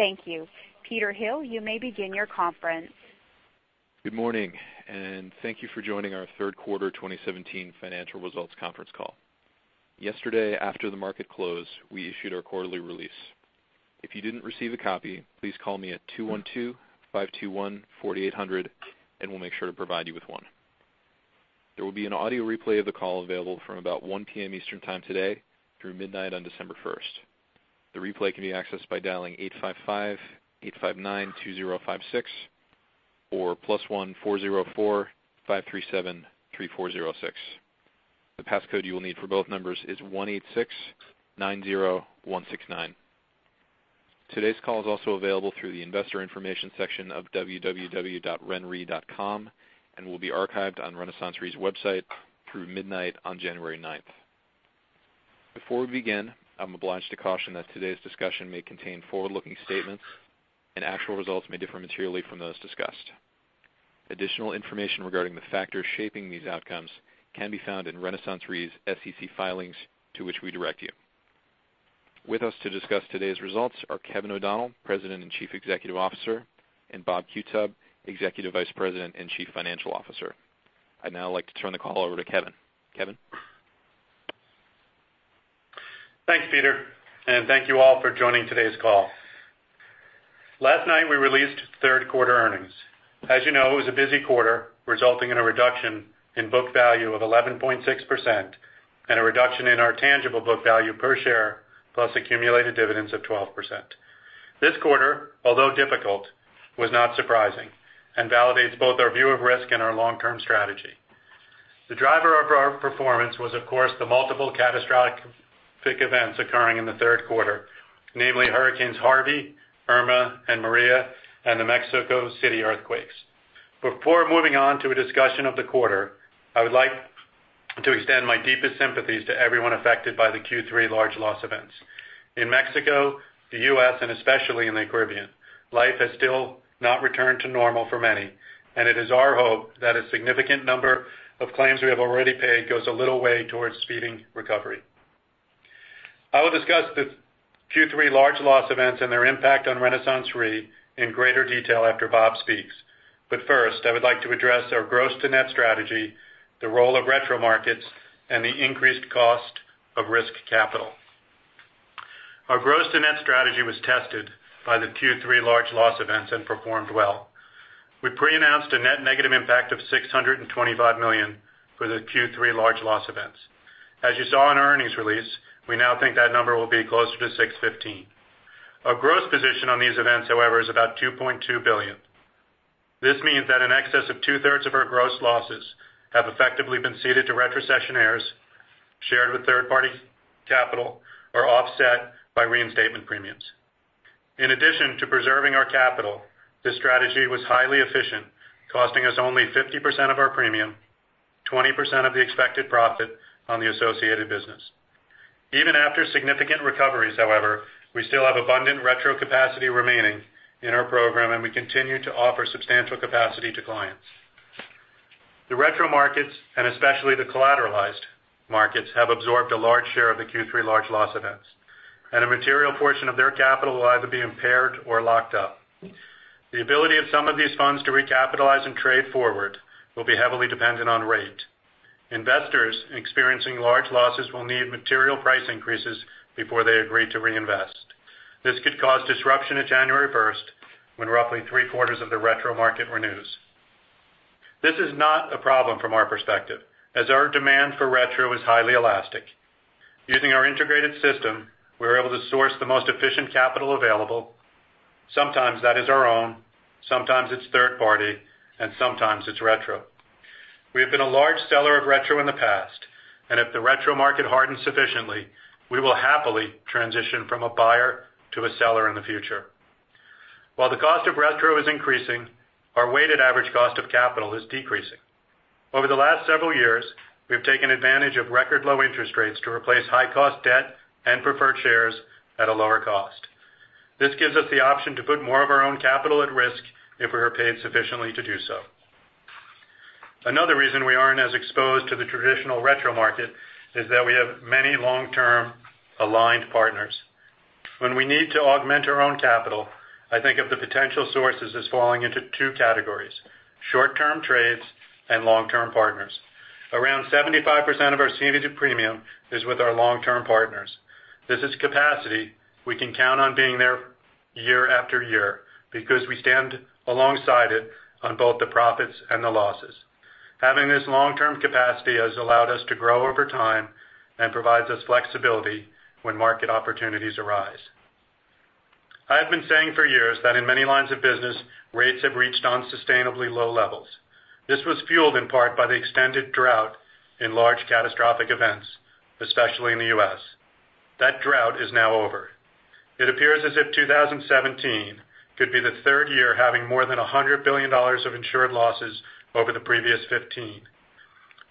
Thank you. Peter Hill, you may begin your conference. Good morning, and thank you for joining our third quarter 2017 financial results conference call. Yesterday, after the market closed, we issued our quarterly release. If you didn't receive a copy, please call me at 212-521-4800 and we'll make sure to provide you with one. There will be an audio replay of the call available from about 1:00 P.M. Eastern time today through midnight on December 1st. The replay can be accessed by dialing 855-859-2056 or +1 404-537-3406. The passcode you will need for both numbers is 18690169. Today's call is also available through the investor information section of www.renre.com and will be archived on RenaissanceRe's website through midnight on January 9th. Before we begin, I'm obliged to caution that today's discussion may contain forward-looking statements and actual results may differ materially from those discussed. Additional information regarding the factors shaping these outcomes can be found in RenaissanceRe's SEC filings to which we direct you. With us to discuss today's results are Kevin O'Donnell, President and Chief Executive Officer, and Bob Qutub, Executive Vice President and Chief Financial Officer. I'd now like to turn the call over to Kevin. Kevin? Thanks, Peter, and thank you all for joining today's call. Last night we released third quarter earnings. As you know, it was a busy quarter resulting in a reduction in book value of 11.6% and a reduction in our tangible book value per share plus accumulated dividends of 12%. This quarter, although difficult, was not surprising and validates both our view of risk and our long-term strategy. The driver of our performance was, of course, the multiple catastrophic events occurring in the third quarter, namely Hurricane Harvey, Hurricane Irma, and Hurricane Maria, and the Mexico City earthquakes. Before moving on to a discussion of the quarter, I would like to extend my deepest sympathies to everyone affected by the Q3 large loss events. In Mexico, the U.S., and especially in the Caribbean, life has still not returned to normal for many, and it is our hope that a significant number of claims we have already paid goes a little way towards speeding recovery. I will discuss the Q3 large loss events and their impact on RenaissanceRe in greater detail after Bob speaks. First, I would like to address our gross to net strategy, the role of retro markets, and the increased cost of risk capital. Our gross to net strategy was tested by the Q3 large loss events and performed well. We pre-announced a net negative impact of $625 million for the Q3 large loss events. As you saw in our earnings release, we now think that number will be closer to $615. Our gross position on these events, however, is about $2.2 billion. This means that in excess of two-thirds of our gross losses have effectively been ceded to retrocessionaires, shared with third-party capital, or offset by reinstatement premiums. In addition to preserving our capital, this strategy was highly efficient, costing us only 50% of our premium, 20% of the expected profit on the associated business. Even after significant recoveries, however, we still have abundant retro capacity remaining in our program, and we continue to offer substantial capacity to clients. The retro markets, and especially the collateralized markets, have absorbed a large share of the Q3 large loss events, and a material portion of their capital will either be impaired or locked up. The ability of some of these funds to recapitalize and trade forward will be heavily dependent on rate. Investors experiencing large losses will need material price increases before they agree to reinvest. This could cause disruption at January 1st when roughly three-quarters of the retro market renews. This is not a problem from our perspective, as our demand for retro is highly elastic. Using our integrated system, we are able to source the most efficient capital available. Sometimes that is our own, sometimes it's third party, and sometimes it's retro. If the retro market hardens sufficiently, we will happily transition from a buyer to a seller in the future. While the cost of retro is increasing, our weighted average cost of capital is decreasing. Over the last several years, we have taken advantage of record low interest rates to replace high cost debt and preferred shares at a lower cost. This gives us the option to put more of our own capital at risk if we are paid sufficiently to do so. Another reason we aren't as exposed to the traditional retro market is that we have many long-term aligned partners. When we need to augment our own capital, I think of the potential sources as falling into 2 categories: short-term trades and long-term partners. Around 75% of our ceded premium is with our long-term partners. This is capacity we can count on being there year after year because we stand alongside it on both the profits and the losses. Having this long-term capacity has allowed us to grow over time and provides us flexibility when market opportunities arise. I have been saying for years that in many lines of business, rates have reached unsustainably low levels. This was fueled in part by the extended drought in large catastrophic events, especially in the U.S. That drought is now over. It appears as if 2017 could be the third year having more than $100 billion of insured losses over the previous 15.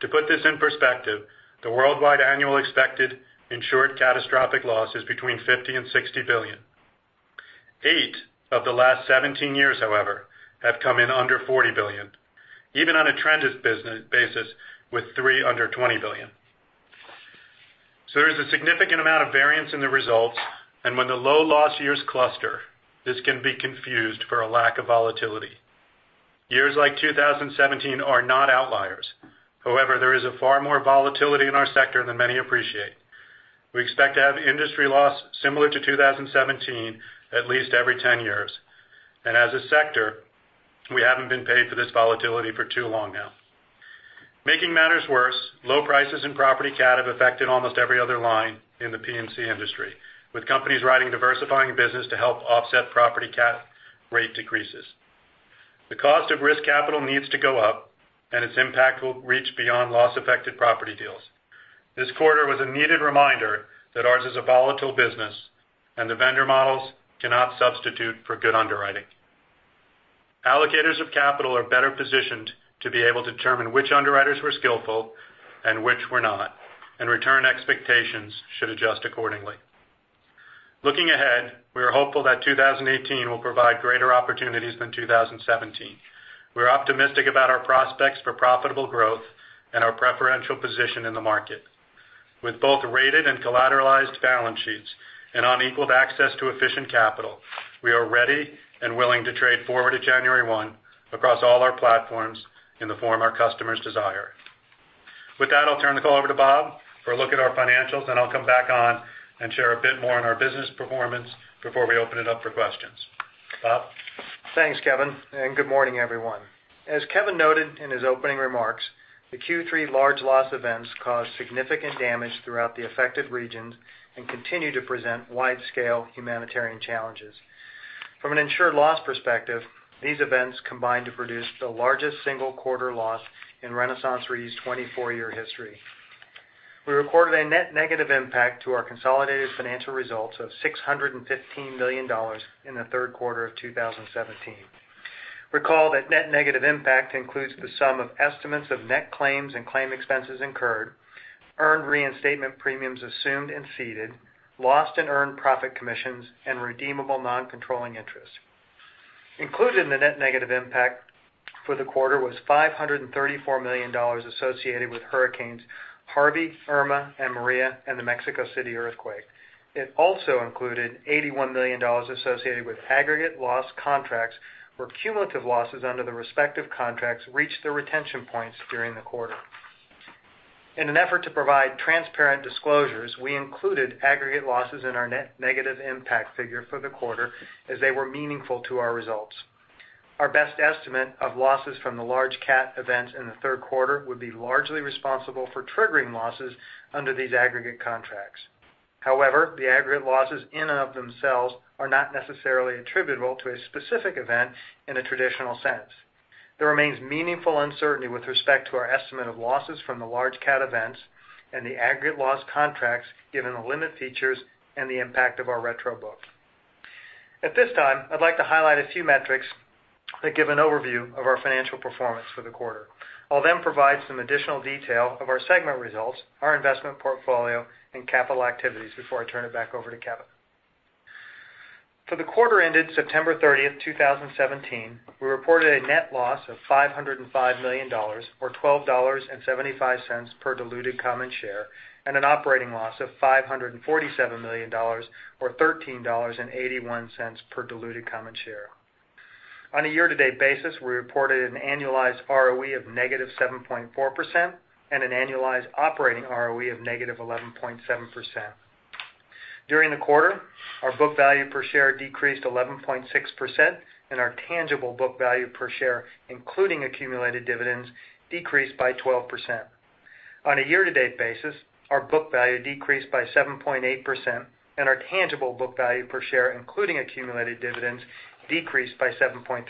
To put this in perspective, the worldwide annual expected insured catastrophic loss is between $50 billion and $60 billion. Eight of the last 17 years, however, have come in under $40 billion, even on a trended basis with three under $20 billion. There is a significant amount of variance in the results, and when the low loss years cluster, this can be confused for a lack of volatility. Years like 2017 are not outliers. However, there is a far more volatility in our sector than many appreciate. We expect to have industry loss similar to 2017 at least every 10 years. As a sector, we haven't been paid for this volatility for too long now. Making matters worse, low prices in property cat have affected almost every other line in the P&C industry, with companies writing diversifying business to help offset property cat rate decreases. The cost of risk capital needs to go up, and its impact will reach beyond loss-affected property deals. This quarter was a needed reminder that ours is a volatile business, and the vendor models cannot substitute for good underwriting. Allocators of capital are better positioned to be able to determine which underwriters were skillful and which were not, and return expectations should adjust accordingly. Looking ahead, we are hopeful that 2018 will provide greater opportunities than 2017. We're optimistic about our prospects for profitable growth and our preferential position in the market. With both rated and collateralized balance sheets and unequaled access to efficient capital, we are ready and willing to trade forward to January 1 across all our platforms in the form our customers desire. With that, I'll turn the call over to Bob for a look at our financials, then I'll come back on and share a bit more on our business performance before we open it up for questions. Bob? Thanks, Kevin, and good morning, everyone. As Kevin noted in his opening remarks, the Q3 large loss events caused significant damage throughout the affected regions and continue to present wide-scale humanitarian challenges. From an insured loss perspective, these events combined to produce the largest single quarter loss in RenaissanceRe's 24-year history. We recorded a net negative impact to our consolidated financial results of $615 million in the third quarter of 2017. Recall that net negative impact includes the sum of estimates of net claims and claim expenses incurred, earned reinstatement premiums assumed and ceded, lost and earned profit commissions, and redeemable non-controlling interest. Included in the net negative impact for the quarter was $534 million associated with hurricanes Harvey, Irma, and Maria, and the Mexico City earthquake. It also included $81 million associated with aggregate loss contracts where cumulative losses under the respective contracts reached their retention points during the quarter. In an effort to provide transparent disclosures, we included aggregate losses in our net negative impact figure for the quarter as they were meaningful to our results. Our best estimate of losses from the large cat events in the third quarter would be largely responsible for triggering losses under these aggregate contracts. However, the aggregate losses in and of themselves are not necessarily attributable to a specific event in a traditional sense. There remains meaningful uncertainty with respect to our estimate of losses from the large cat events and the aggregate loss contracts given the limit features and the impact of our retro book. At this time, I'd like to highlight a few metrics that give an overview of our financial performance for the quarter. I'll then provide some additional detail of our segment results, our investment portfolio, and capital activities before I turn it back over to Kevin. For the quarter ended September 30, 2017, we reported a net loss of $505 million or $12.75 per diluted common share and an operating loss of $547 million or $13.81 per diluted common share. On a year-to-date basis, we reported an annualized ROE of negative 7.4% and an annualized operating ROE of negative 11.7%. During the quarter, our book value per share decreased 11.6% and our tangible book value per share including accumulated dividends decreased by 12%. On a year-to-date basis, our book value decreased by 7.8% and our tangible book value per share including accumulated dividends decreased by 7.3%.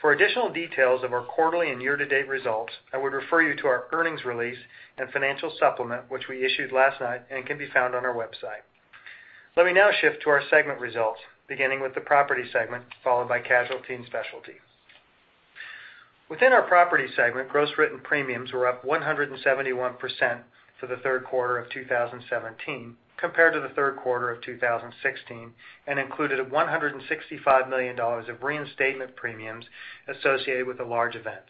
For additional details of our quarterly and year-to-date results, I would refer you to our earnings release and financial supplement which we issued last night and can be found on our website. Let me now shift to our segment results, beginning with the property segment, followed by casualty and specialty. Within our property segment, gross written premiums were up 171% for the third quarter of 2017 compared to the third quarter of 2016 and included $165 million of reinstatement premiums associated with the large events.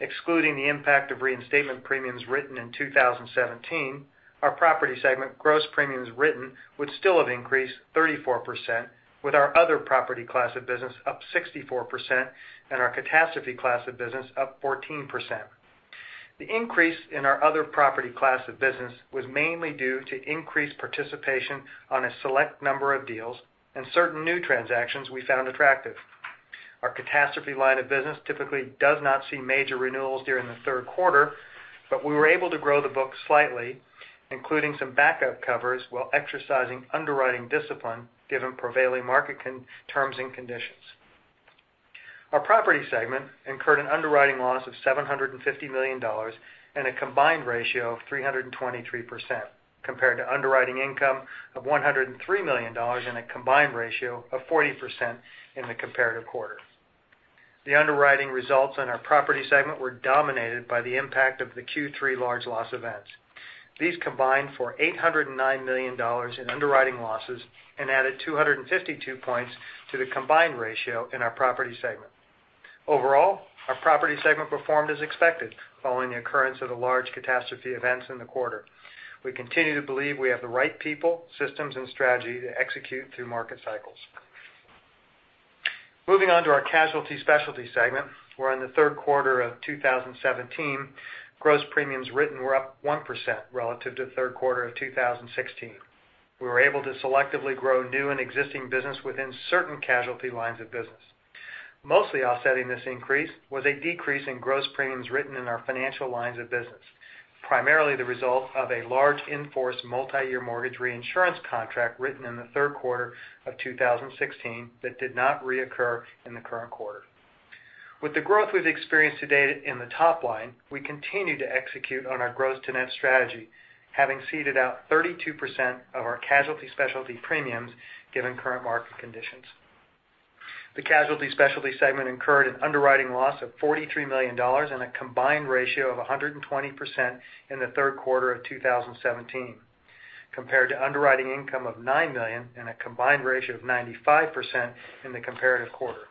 Excluding the impact of reinstatement premiums written in 2017, our property segment gross premiums written would still have increased 34%, with our other property class of business up 64% and our catastrophe class of business up 14%. The increase in our other property class of business was mainly due to increased participation on a select number of deals and certain new transactions we found attractive. Our catastrophe line of business typically does not see major renewals during the third quarter, but we were able to grow the book slightly, including some backup covers while exercising underwriting discipline given prevailing market terms and conditions. Our property segment incurred an underwriting loss of $750 million and a combined ratio of 323%, compared to underwriting income of $103 million and a combined ratio of 40% in the comparative quarter. The underwriting results on our property segment were dominated by the impact of the Q3 large loss events. These combined for $809 million in underwriting losses and added 252 points to the combined ratio in our property segment. Overall, our property segment performed as expected following the occurrence of the large catastrophe events in the quarter. We continue to believe we have the right people, systems, and strategy to execute through market cycles. Moving on to our Casualty Specialty segment, where in the third quarter of 2017, gross premiums written were up 1% relative to the third quarter of 2016. We were able to selectively grow new and existing business within certain casualty lines of business. Mostly offsetting this increase was a decrease in gross premiums written in our financial lines of business, primarily the result of a large in-force multi-year mortgage reinsurance contract written in the third quarter of 2016 that did not reoccur in the current quarter. With the growth we've experienced to date in the top line, we continue to execute on our Growth to Net strategy, having ceded out 32% of our Casualty Specialty premiums, given current market conditions. The Casualty Specialty segment incurred an underwriting loss of $43 million and a combined ratio of 120% in the third quarter of 2017, compared to underwriting income of $9 million and a combined ratio of 95% in the comparative quarter.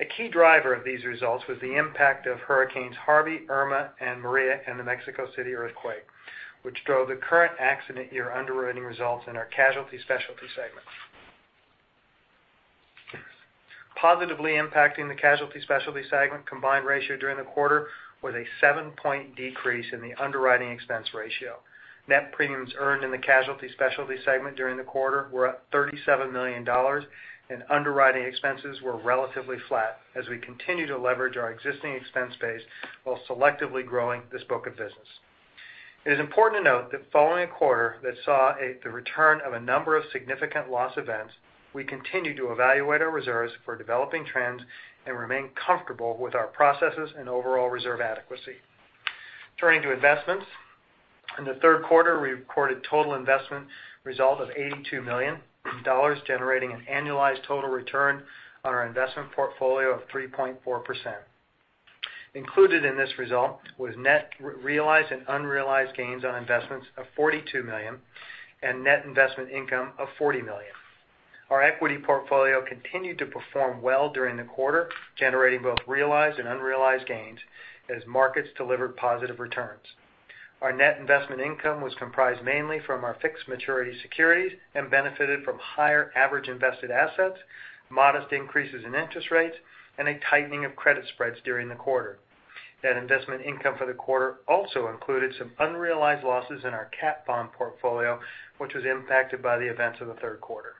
A key driver of these results was the impact of hurricanes Harvey, Irma, and Maria, and the Mexico City earthquake, which drove the current accident year underwriting results in our Casualty Specialty segment. Positively impacting the Casualty Specialty segment combined ratio during the quarter was a 7-point decrease in the underwriting expense ratio. Net premiums earned in the Casualty Specialty segment during the quarter were up $37 million, and underwriting expenses were relatively flat as we continue to leverage our existing expense base while selectively growing this book of business. It is important to note that following a quarter that saw the return of a number of significant loss events, we continue to evaluate our reserves for developing trends and remain comfortable with our processes and overall reserve adequacy. Turning to investments. In the third quarter, we recorded total investment result of $82 million, generating an annualized total return on our investment portfolio of 3.4%. Included in this result was net realized and unrealized gains on investments of $42 million and net investment income of $40 million. Our equity portfolio continued to perform well during the quarter, generating both realized and unrealized gains as markets delivered positive returns. Our net investment income was comprised mainly from our fixed maturity securities and benefited from higher average invested assets, modest increases in interest rates, and a tightening of credit spreads during the quarter. Net investment income for the quarter also included some unrealized losses in our cat bond portfolio, which was impacted by the events of the third quarter.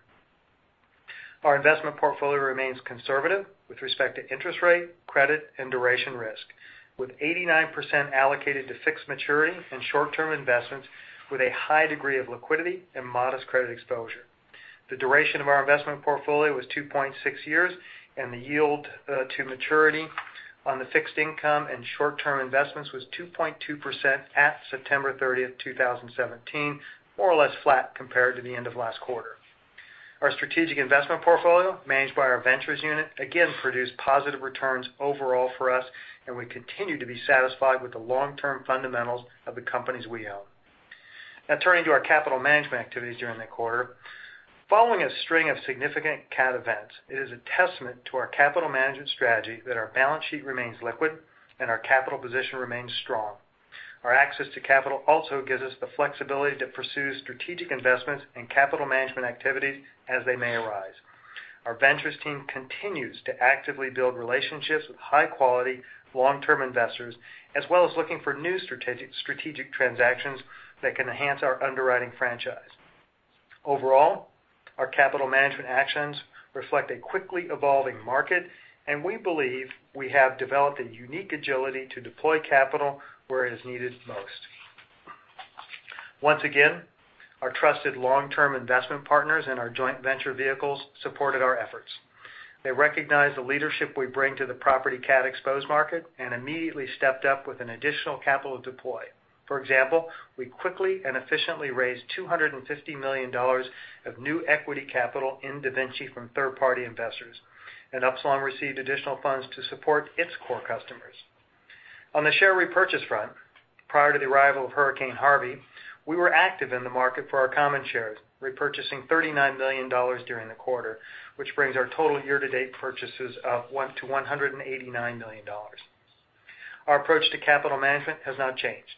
Our investment portfolio remains conservative with respect to interest rate, credit, and duration risk, with 89% allocated to fixed maturity and short-term investments with a high degree of liquidity and modest credit exposure. The duration of our investment portfolio was 2.6 years, and the yield to maturity on the fixed income and short-term investments was 2.2% at September 30th, 2017, more or less flat compared to the end of last quarter. Our Strategic Investment portfolio, managed by our Ventures unit, again produced positive returns overall for us, and we continue to be satisfied with the long-term fundamentals of the companies we own. Now turning to our capital management activities during the quarter. Following a string of significant cat events, it is a testament to our capital management strategy that our balance sheet remains liquid and our capital position remains strong. Our access to capital also gives us the flexibility to pursue strategic investments and capital management activities as they may arise. Our ventures team continues to actively build relationships with high-quality, long-term investors, as well as looking for new strategic transactions that can enhance our underwriting franchise. Overall, our capital management actions reflect a quickly evolving market, and we believe we have developed a unique agility to deploy capital where it is needed most. Once again, our trusted long-term investment partners and our joint venture vehicles supported our efforts. They recognized the leadership we bring to the property cat exposed market and immediately stepped up with an additional capital deploy. For example, we quickly and efficiently raised $250 million of new equity capital in DaVinci from third-party investors, and Upsilon received additional funds to support its core customers. On the share repurchase front, prior to the arrival of Hurricane Harvey, we were active in the market for our common shares, repurchasing $39 million during the quarter, which brings our total year to date purchases up to $189 million. Our approach to capital management has not changed.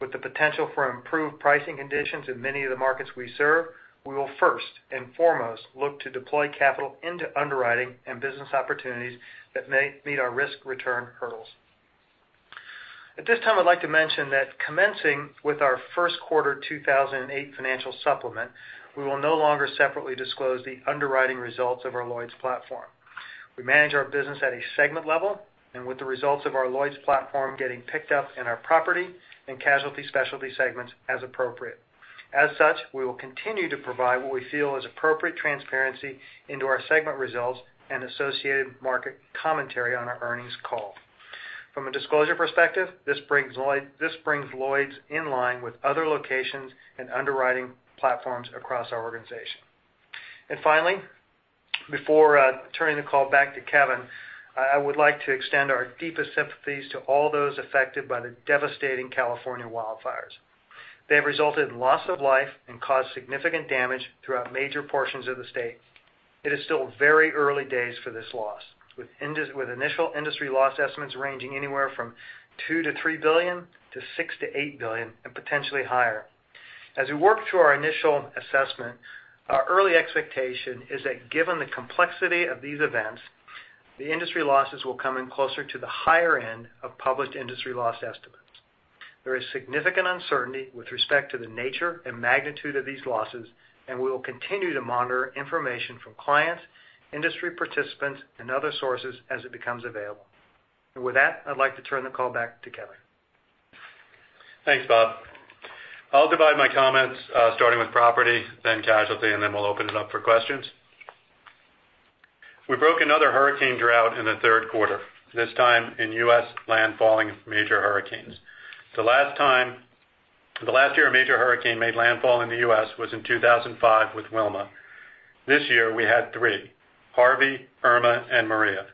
With the potential for improved pricing conditions in many of the markets we serve, we will first and foremost look to deploy capital into underwriting and business opportunities that may meet our risk-return hurdles. At this time, I'd like to mention that commencing with our first quarter 2008 financial supplement, we will no longer separately disclose the underwriting results of our Lloyd's platform. We manage our business at a segment level and with the results of our Lloyd's platform getting picked up in our property and casualty specialty segments as appropriate. As such, we will continue to provide what we feel is appropriate transparency into our segment results and associated market commentary on our earnings call. From a disclosure perspective, this brings Lloyd's in line with other locations and underwriting platforms across our organization. Finally, before turning the call back to Kevin, I would like to extend our deepest sympathies to all those affected by the devastating California wildfires. They have resulted in loss of life and caused significant damage throughout major portions of the state. It is still very early days for this loss, with initial industry loss estimates ranging anywhere from $2 billion-$3 billion to $6 billion-$8 billion, and potentially higher. As we work through our initial assessment, our early expectation is that given the complexity of these events, the industry losses will come in closer to the higher end of published industry loss estimates. There is significant uncertainty with respect to the nature and magnitude of these losses, and we will continue to monitor information from clients, industry participants, and other sources as it becomes available. With that, I'd like to turn the call back to Kevin. Thanks, Bob. I'll divide my comments, starting with property, then casualty, and then we'll open it up for questions. We broke another hurricane drought in the third quarter, this time in U.S. landfalling major hurricanes. The last year a major hurricane made landfall in the U.S. was in 2005 with Wilma. This year we had three, Harvey, Irma, and Maria.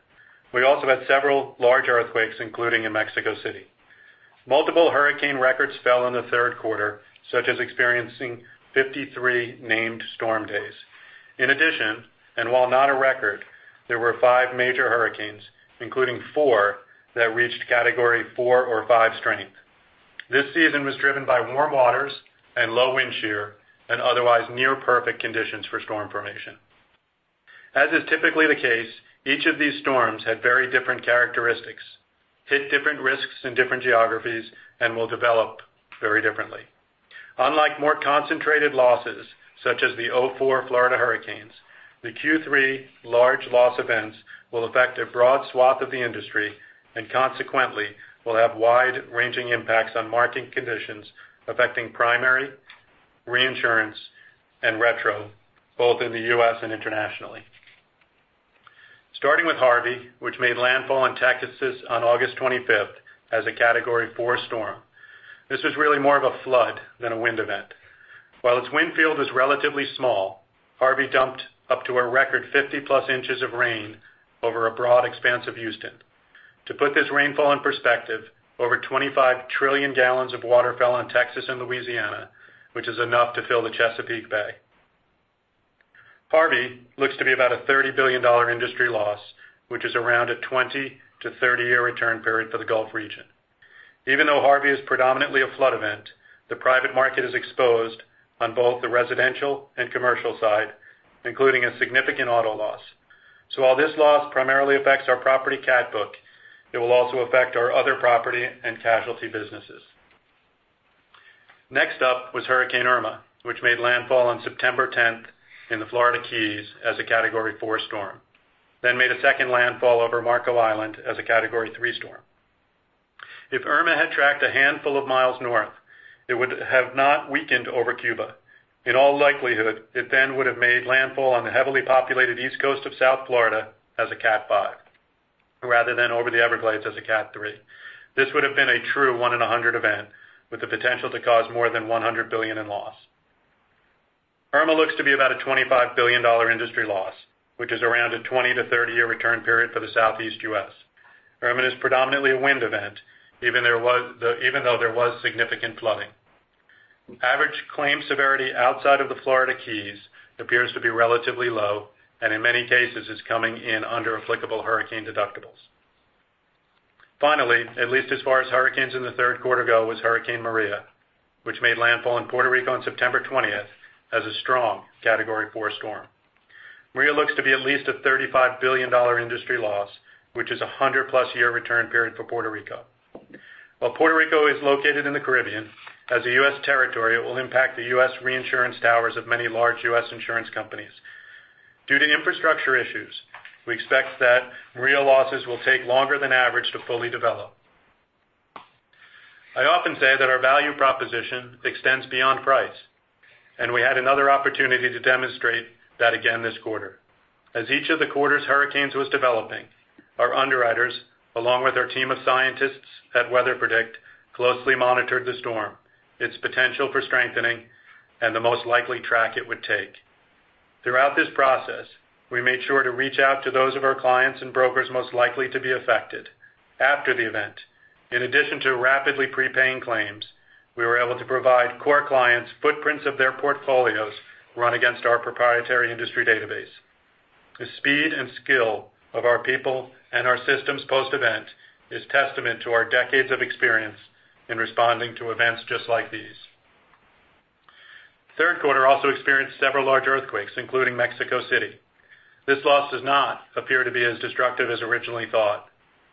We also had several large earthquakes, including in Mexico City. Multiple hurricane records fell in the third quarter, such as experiencing 53 named storm days. In addition, while not a record, there were five major hurricanes, including four that reached Category 4 or 5 strength. This season was driven by warm waters and low wind shear and otherwise near-perfect conditions for storm formation. As is typically the case, each of these storms had very different characteristics, hit different risks in different geographies, and will develop very differently. Unlike more concentrated losses, such as the 2004 Florida hurricanes, the Q3 large loss events will affect a broad swath of the industry, and consequently will have wide-ranging impacts on market conditions, affecting primary, reinsurance, and retro, both in the U.S. and internationally. Starting with Harvey, which made landfall in Texas on August 25th as a Category 4 storm. This was really more of a flood than a wind event. While its wind field was relatively small, Harvey dumped up to a record 50-plus inches of rain over a broad expanse of Houston. To put this rainfall in perspective, over 25 trillion gallons of water fell on Texas and Louisiana, which is enough to fill the Chesapeake Bay. Harvey looks to be about a $30 billion industry loss, which is around a 20- to 30-year return period for the Gulf region. Even though Harvey is predominantly a flood event, the private market is exposed on both the residential and commercial side, including a significant auto loss. While this loss primarily affects our property cat book, it will also affect our other property and casualty businesses. Next up was Hurricane Irma, which made landfall on September 10th in the Florida Keys as a Category 4 storm, then made a second landfall over Marco Island as a Category 3 storm. If Irma had tracked a handful of miles north, it would have not weakened over Cuba. In all likelihood, it then would have made landfall on the heavily populated east coast of South Florida as a Cat 5, rather than over the Everglades as a Cat 3. This would have been a true one-in-100 event, with the potential to cause more than $100 billion in loss. Irma looks to be about a $25 billion industry loss, which is around a 20- to 30-year return period for the southeast U.S. Irma is predominantly a wind event, even though there was significant flooding. Average claim severity outside of the Florida Keys appears to be relatively low, and in many cases is coming in under applicable hurricane deductibles. Finally, at least as far as hurricanes in the third quarter go, was Hurricane Maria, which made landfall in Puerto Rico on September 20th as a strong Category 4 storm. Maria looks to be at least a $35 billion industry loss, which is a 100-plus year return period for Puerto Rico. While Puerto Rico is located in the Caribbean, as a U.S. territory, it will impact the U.S. reinsurance towers of many large U.S. insurance companies. Due to infrastructure issues, we expect that real losses will take longer than average to fully develop. I often say that our value proposition extends beyond price, and we had another opportunity to demonstrate that again this quarter. As each of the quarter's hurricanes was developing, our underwriters, along with our team of scientists at WeatherPredict, closely monitored the storm, its potential for strengthening, and the most likely track it would take. Throughout this process, we made sure to reach out to those of our clients and brokers most likely to be affected. After the event, in addition to rapidly prepaying claims, we were able to provide core clients footprints of their portfolios run against our proprietary industry database. The speed and skill of our people and our systems post-event is testament to our decades of experience in responding to events just like these. Third quarter also experienced several large earthquakes, including Mexico City. This loss does not appear to be as destructive as originally thought.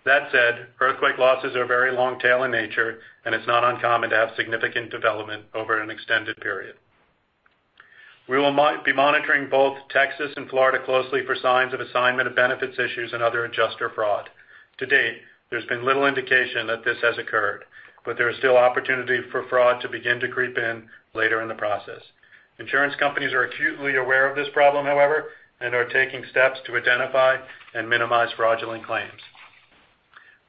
That said, earthquake losses are very long tail in nature, and it's not uncommon to have significant development over an extended period. We will be monitoring both Texas and Florida closely for signs of assignment of benefits issues and other adjuster fraud. To date, there's been little indication that this has occurred, but there is still opportunity for fraud to begin to creep in later in the process. Insurance companies are acutely aware of this problem, however, and are taking steps to identify and minimize fraudulent claims.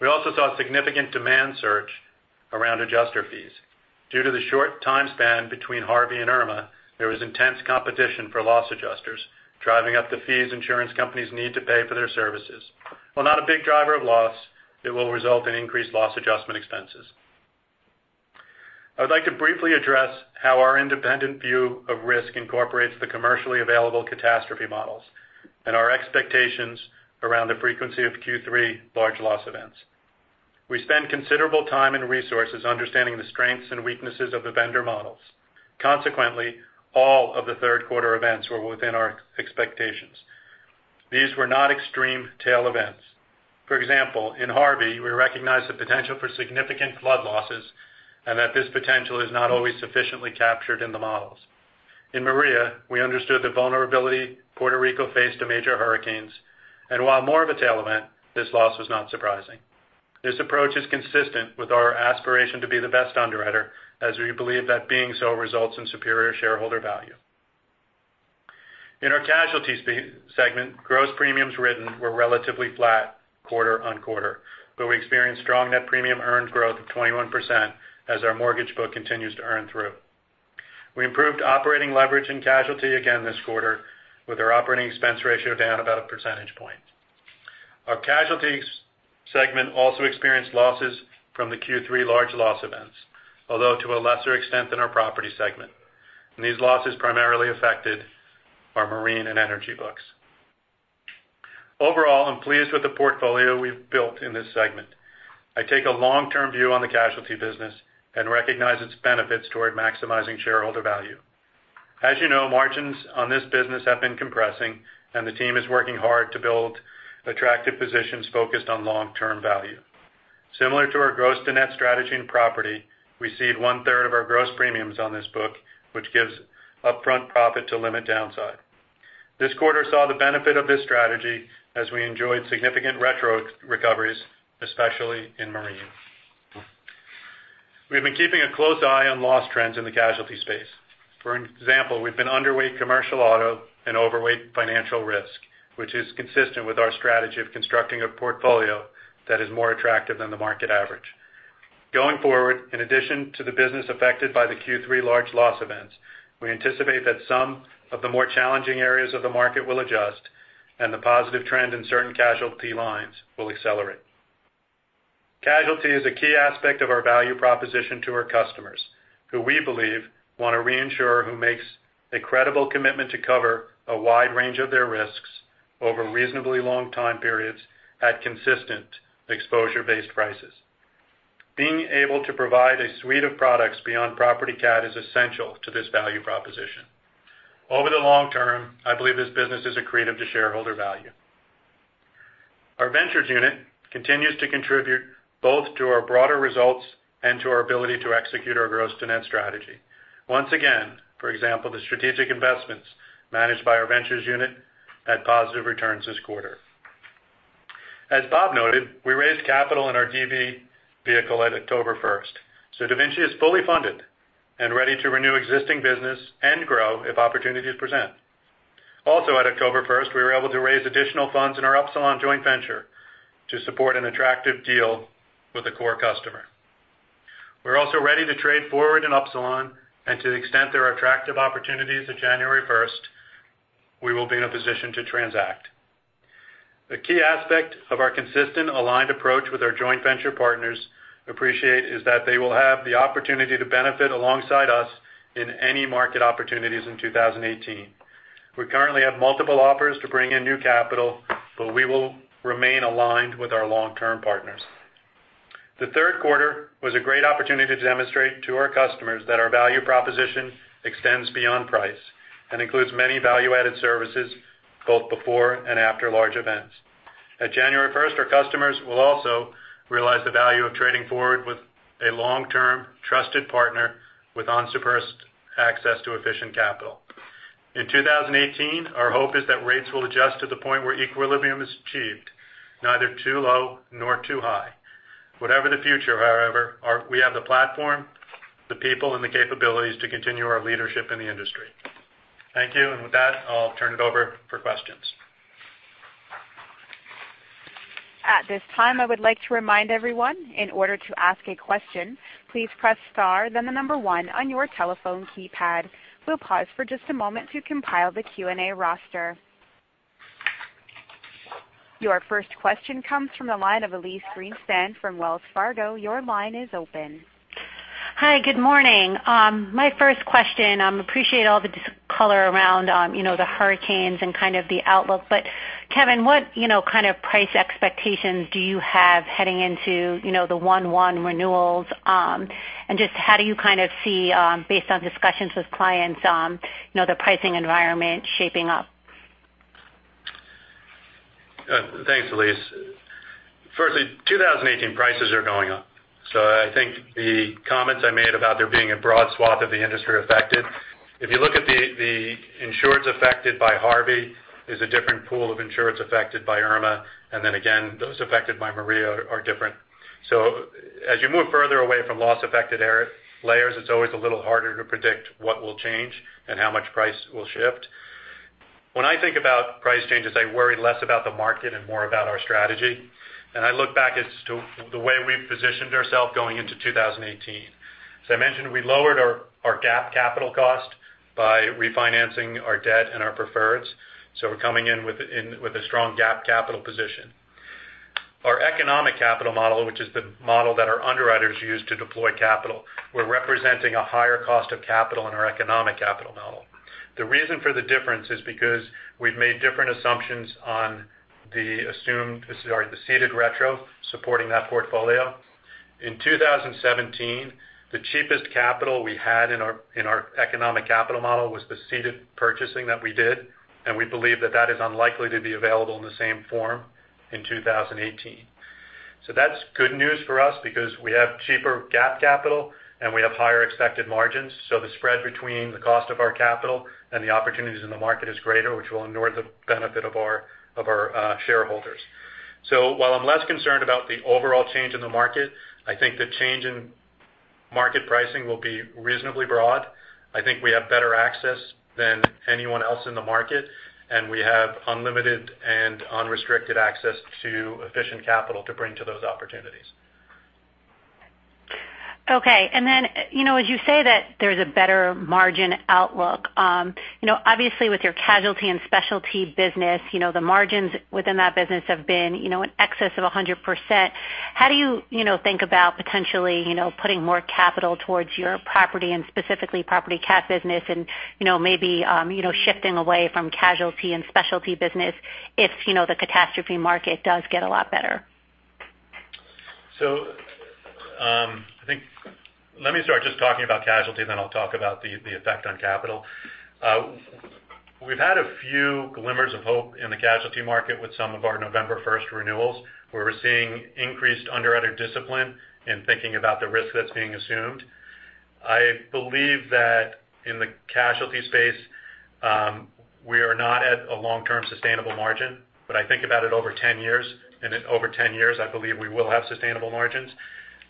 We also saw significant demand surge around adjuster fees. Due to the short time span between Harvey and Irma, there was intense competition for loss adjusters, driving up the fees insurance companies need to pay for their services. While not a big driver of loss, it will result in increased loss adjustment expenses. I would like to briefly address how our independent view of risk incorporates the commercially available catastrophe models and our expectations around the frequency of Q3 large loss events. We spend considerable time and resources understanding the strengths and weaknesses of the vendor models. Consequently, all of the third quarter events were within our expectations. These were not extreme tail events. For example, in Harvey, we recognized the potential for significant flood losses and that this potential is not always sufficiently captured in the models. In Maria, we understood the vulnerability Puerto Rico faced to major hurricanes, and while more of a tail event, this loss was not surprising. This approach is consistent with our aspiration to be the best underwriter, as we believe that being so results in superior shareholder value. In our casualty segment, gross premiums written were relatively flat quarter on quarter, but we experienced strong net premium earned growth of 21% as our mortgage book continues to earn through. We improved operating leverage in casualty again this quarter with our operating expense ratio down about one percentage point. Our casualty segment also experienced losses from the Q3 large loss events, although to a lesser extent than our property segment, and these losses primarily affected our marine and energy books. Overall, I'm pleased with the portfolio we've built in this segment. I take a long-term view on the casualty business and recognize its benefits toward maximizing shareholder value. As you know, margins on this business have been compressing, and the team is working hard to build attractive positions focused on long-term value. Similar to our gross to net strategy and property, we cede one-third of our gross premiums on this book, which gives upfront profit to limit downside. This quarter saw the benefit of this strategy as we enjoyed significant retro recoveries, especially in marine. We have been keeping a close eye on loss trends in the casualty space. For example, we've been underweight commercial auto and overweight financial risk, which is consistent with our strategy of constructing a portfolio that is more attractive than the market average. Going forward, in addition to the business affected by the Q3 large loss events, we anticipate that some of the more challenging areas of the market will adjust and the positive trend in certain casualty lines will accelerate. Casualty is a key aspect of our value proposition to our customers, who we believe want a reinsurer who makes a credible commitment to cover a wide range of their risks over reasonably long time periods at consistent exposure-based prices. Being able to provide a suite of products beyond property cat is essential to this value proposition. Over the long term, I believe this business is accretive to shareholder value. Our ventures unit continues to contribute both to our broader results and to our ability to execute our gross to net strategy. Once again, for example, the strategic investments managed by our ventures unit had positive returns this quarter. As Bob Qutub noted, we raised capital in our DaVinci vehicle at October 1st. DaVinci is fully funded and ready to renew existing business and grow if opportunities present. Also, at October 1st, we were able to raise additional funds in our Upsilon joint venture to support an attractive deal with a core customer. We're also ready to trade forward in Upsilon, and to the extent there are attractive opportunities at January 1st, we will be in a position to transact. The key aspect of our consistent aligned approach with our joint venture partners appreciate is that they will have the opportunity to benefit alongside us in any market opportunities in 2018. We currently have multiple offers to bring in new capital, but we will remain aligned with our long-term partners. The third quarter was a great opportunity to demonstrate to our customers that our value proposition extends beyond price and includes many value-added services both before and after large events. At January 1st, our customers will also realize the value of trading forward with a long-term, trusted partner with unsurpassed access to efficient capital. In 2018, our hope is that rates will adjust to the point where equilibrium is achieved, neither too low nor too high. Whatever the future, however, we have the platform, the people, and the capabilities to continue our leadership in the industry. Thank you, and with that, I'll turn it over for questions. At this time, I would like to remind everyone, in order to ask a question, please press star then the number one on your telephone keypad. We will pause for just a moment to compile the Q&A roster. Your first question comes from the line of Elyse Greenspan from Wells Fargo. Your line is open. Hi. Good morning. My first question, appreciate all the color around the hurricanes and kind of the outlook, Kevin, what kind of price expectations do you have heading into the one-one renewals? Just how do you kind of see based on discussions with clients the pricing environment shaping up? Thanks, Elyse. Firstly, 2018 prices are going up. I think the comments I made about there being a broad swath of the industry affected. If you look at the insureds affected by Harvey is a different pool of insureds affected by Irma, then again, those affected by Maria are different. As you move further away from loss-affected layers, it is always a little harder to predict what will change and how much price will shift. When I think about price changes, I worry less about the market and more about our strategy, I look back as to the way we have positioned ourselves going into 2018. As I mentioned, we lowered our GAAP capital cost by refinancing our debt and our preferreds. We are coming in with a strong GAAP capital position. Our economic capital model, which is the model that our underwriters use to deploy capital, we are representing a higher cost of capital in our economic capital model. The reason for the difference is because we have made different assumptions on the assumed, sorry, the ceded retro supporting that portfolio. In 2017, the cheapest capital we had in our economic capital model was the ceded purchasing that we did, we believe that that is unlikely to be available in the same form in 2018. That is good news for us because we have cheaper GAAP capital, we have higher expected margins. The spread between the cost of our capital and the opportunities in the market is greater, which will inure the benefit of our shareholders. While I am less concerned about the overall change in the market, I think the change in market pricing will be reasonably broad. I think we have better access than anyone else in the market, we have unlimited and unrestricted access to efficient capital to bring to those opportunities. Okay. As you say that there's a better margin outlook, obviously with your casualty and specialty business, the margins within that business have been in excess of 100%. How do you think about potentially putting more capital towards your property and specifically property cat business and maybe shifting away from casualty and specialty business if the catastrophe market does get a lot better? I think let me start just talking about casualty, then I'll talk about the effect on capital. We've had a few glimmers of hope in the casualty market with some of our November 1st renewals, where we're seeing increased underwriter discipline in thinking about the risk that's being assumed. I believe that in the casualty space, we are not at a long-term sustainable margin, but I think about it over 10 years, and at over 10 years, I believe we will have sustainable margins.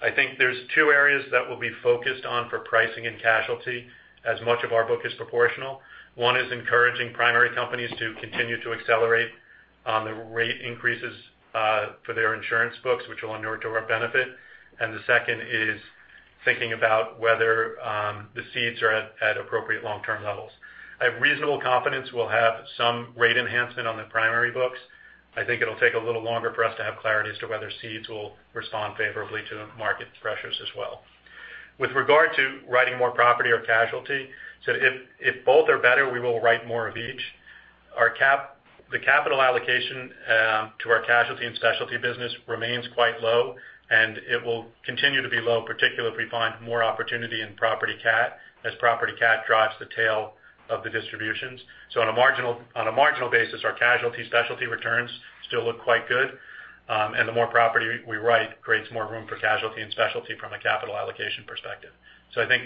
I think there's two areas that we'll be focused on for pricing and casualty as much of our book is proportional. One is encouraging primary companies to continue to accelerate the rate increases for their insurance books, which will inure to our benefit. The second is thinking about whether the cedes are at appropriate long-term levels. I have reasonable confidence we'll have some rate enhancement on the primary books. I think it'll take a little longer for us to have clarity as to whether cedes will respond favorably to market pressures as well. With regard to writing more property or casualty, so if both are better, we will write more of each. The capital allocation to our casualty and specialty business remains quite low, and it will continue to be low, particularly if we find more opportunity in property cat, as property cat drives the tail of the distributions. On a marginal basis, our casualty specialty returns still look quite good. The more property we write creates more room for casualty and specialty from a capital allocation perspective. I think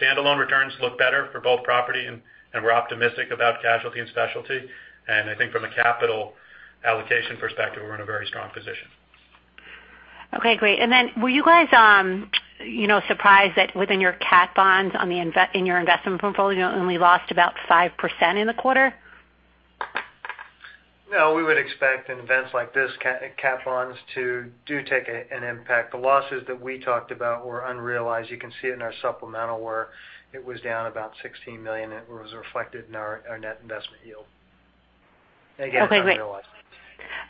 standalone returns look better for both property, and we're optimistic about casualty and specialty. I think from a capital allocation perspective, we're in a very strong position. Okay, great. Were you guys surprised that within your cat bonds in your investment portfolio only lost about 5% in the quarter? No, we would expect in events like this cat bonds to do take an impact. The losses that we talked about were unrealized. You can see it in our supplemental where it was down about $16 million, and it was reflected in our net investment yield. Again, it's unrealized.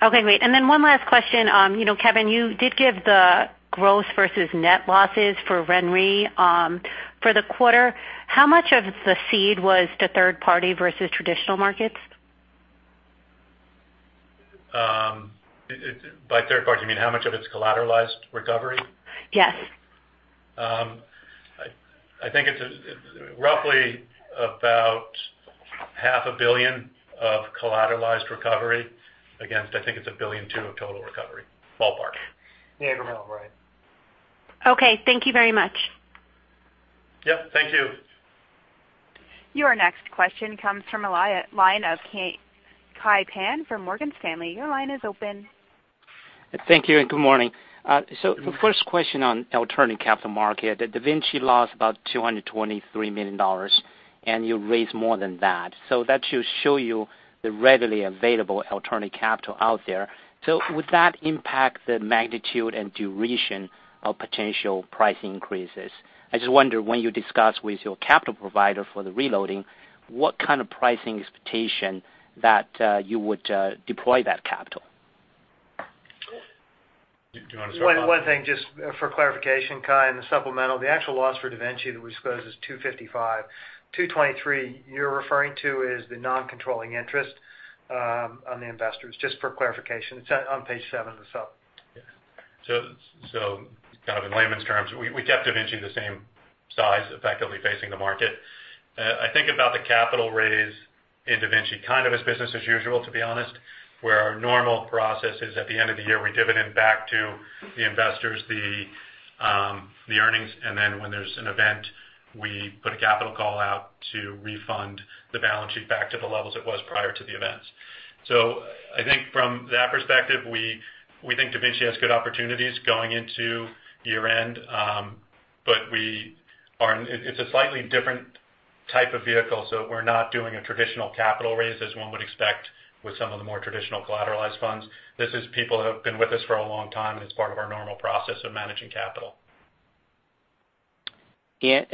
Okay, great. One last question. Kevin, you did give the growth versus net losses for RenRe for the quarter. How much of the cede was to third party versus traditional markets? By third party, you mean how much of it is collateralized recovery? Yes. I think it's roughly about half a billion of collateralized recovery against, I think it's $1.2 billion of total recovery. Ballpark. Yeah, around, right. Okay, thank you very much. Yep, thank you. Your next question comes from the line of Kai Pan from Morgan Stanley. Your line is open. Thank you and good morning. The first question on alternative capital market. DaVinci lost about $223 million, and you raised more than that. That should show you the readily available alternative capital out there. Would that impact the magnitude and duration of potential price increases? I just wonder when you discuss with your capital provider for the reloading, what kind of pricing expectation that you would deploy that capital? Do you want to start, Bob? One thing just for clarification, Kai, in the supplemental, the actual loss for DaVinci that we disclosed is $255. $223 you're referring to is the non-controlling interest on the investors, just for clarification. It's on page seven of the sup. Kind of in layman's terms, we kept DaVinci the same size, effectively facing the market. I think about the capital raise in DaVinci kind of as business as usual, to be honest, where our normal process is at the end of the year, we dividend back to the investors the earnings. When there's an event, we put a capital call out to refund the balance sheet back to the levels it was prior to the events. I think from that perspective, we think DaVinci has good opportunities going into year-end. It's a slightly different type of vehicle, so we're not doing a traditional capital raise as one would expect with some of the more traditional collateralized funds. This is people who have been with us for a long time, and it's part of our normal process of managing capital. Yeah.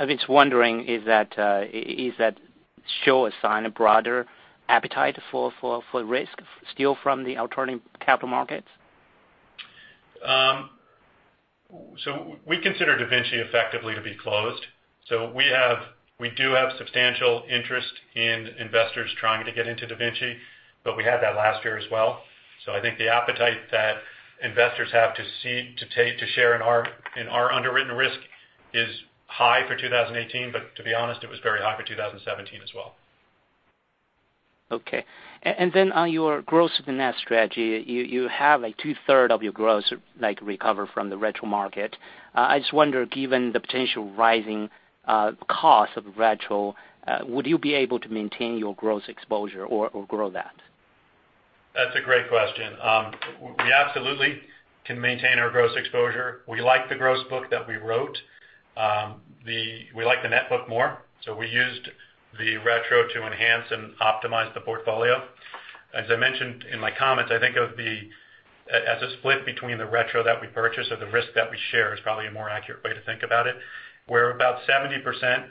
I was wondering, is that showing a broader appetite for risk still from the alternative capital markets? We consider DaVinci effectively to be closed. We do have substantial interest in investors trying to get into DaVinci, but we had that last year as well. I think the appetite that investors have to see, to take, to share in our underwritten risk is high for 2018, but to be honest, it was very high for 2017 as well. Okay. On your gross and net strategy, you have two third of your gross recovered from the retro market. I just wonder, given the potential rising cost of retro, would you be able to maintain your gross exposure or grow that? That's a great question. We absolutely can maintain our gross exposure. We like the gross book that we wrote. We like the net book more, we used the retro to enhance and optimize the portfolio. As I mentioned in my comments, I think of the as a split between the retro that we purchase or the risk that we share is probably a more accurate way to think about it, where about 70%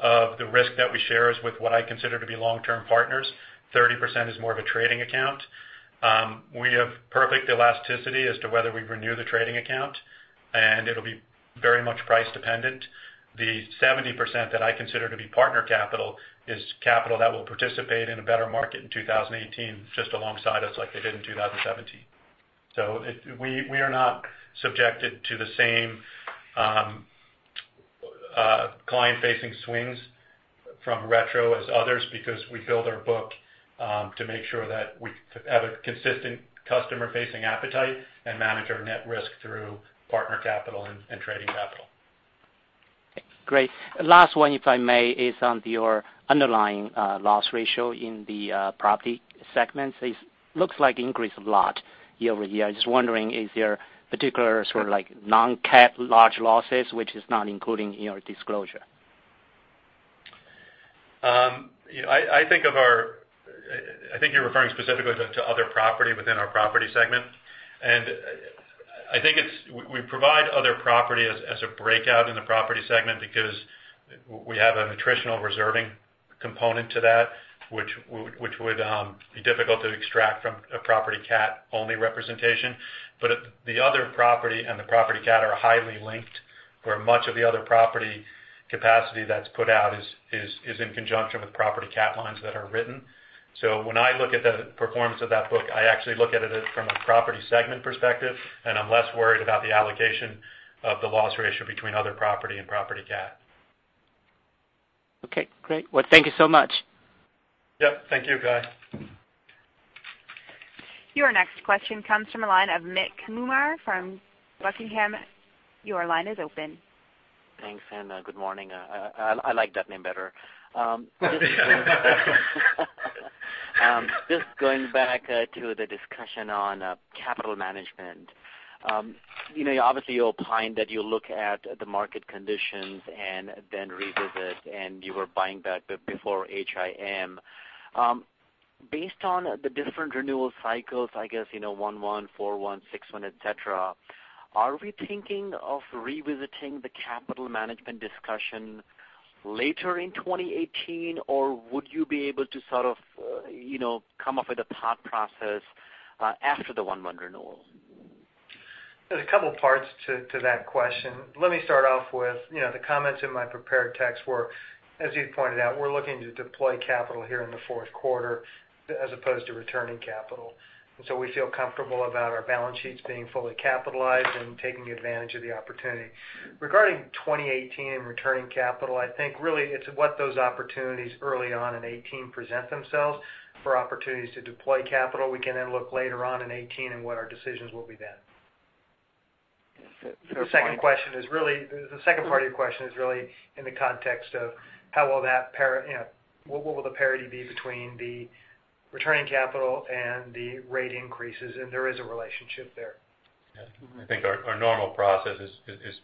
of the risk that we share is with what I consider to be long-term partners, 30% is more of a trading account. We have perfect elasticity as to whether we renew the trading account, it'll be very much price dependent. The 70% that I consider to be partner capital is capital that will participate in a better market in 2018 just alongside us like they did in 2017. We are not subjected to the same client-facing swings from retro as others because we build our book to make sure that we have a consistent customer-facing appetite and manage our net risk through partner capital and trading capital. Great. Last one, if I may, is on your underlying loss ratio in the property segments. It looks like it increased a lot year-over-year. I'm just wondering, is there particular sort of non-cat large losses, which is not including in your disclosure? I think you're referring specifically to other property within our property segment. I think we provide other property as a breakout in the property segment because we have an attritional reserving component to that, which would be difficult to extract from a property cat-only representation. The other property and the property cat are highly linked, where much of the other property capacity that's put out is in conjunction with property cat lines that are written. When I look at the performance of that book, I actually look at it from a property segment perspective, and I'm less worried about the allocation of the loss ratio between other property and property cat. Okay, great. Well, thank you so much. Yep. Thank you, Kai. Your next question comes from the line of Mike Mumma from Buckingham. Your line is open. Thanks. Good morning. I like that name better. Just going back to the discussion on capital management. Obviously, you're opining that you look at the market conditions and then revisit, and you were buying back before HIM. Based on the different renewal cycles, I guess 1/1, 4/1, 6/1, et cetera, are we thinking of revisiting the capital management discussion later in 2018, or would you be able to sort of come up with a thought process after the 1/1 renewal? There's a couple parts to that question. Let me start off with the comments in my prepared text were, as you pointed out, we're looking to deploy capital here in the fourth quarter as opposed to returning capital. We feel comfortable about our balance sheets being fully capitalized and taking advantage of the opportunity. Regarding 2018 and returning capital, I think really it's what those opportunities early on in 2018 present themselves for opportunities to deploy capital. We can look later on in 2018 and what our decisions will be then. Is it the point The second part of your question is really in the context of what will the parity be between the returning capital and the rate increases, and there is a relationship there. Yeah. I think our normal process is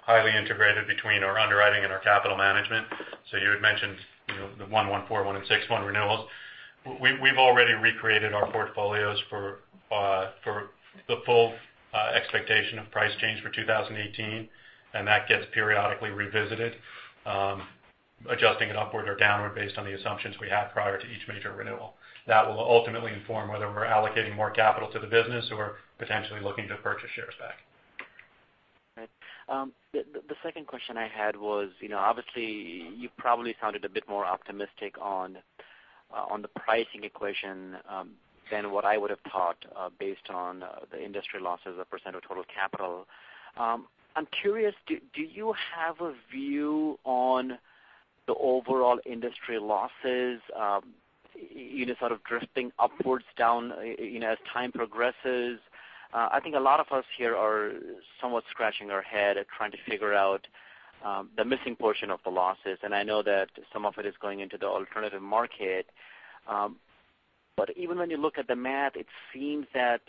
highly integrated between our underwriting and our capital management. You had mentioned the 1/1, 4/1, and 6/1 renewals. We've already recreated our portfolios for the full expectation of price change for 2018. That gets periodically revisited, adjusting it upward or downward based on the assumptions we had prior to each major renewal. That will ultimately inform whether we're allocating more capital to the business or potentially looking to purchase shares back. Right. The second question I had was, obviously you probably sounded a bit more optimistic on the pricing equation than what I would've thought based on the industry losses as a % of total capital. I'm curious, do you have a view on the overall industry losses sort of drifting upwards, down as time progresses? I think a lot of us here are somewhat scratching our head at trying to figure out the missing portion of the losses. I know that some of it is going into the alternative market. Even when you look at the math, it seems that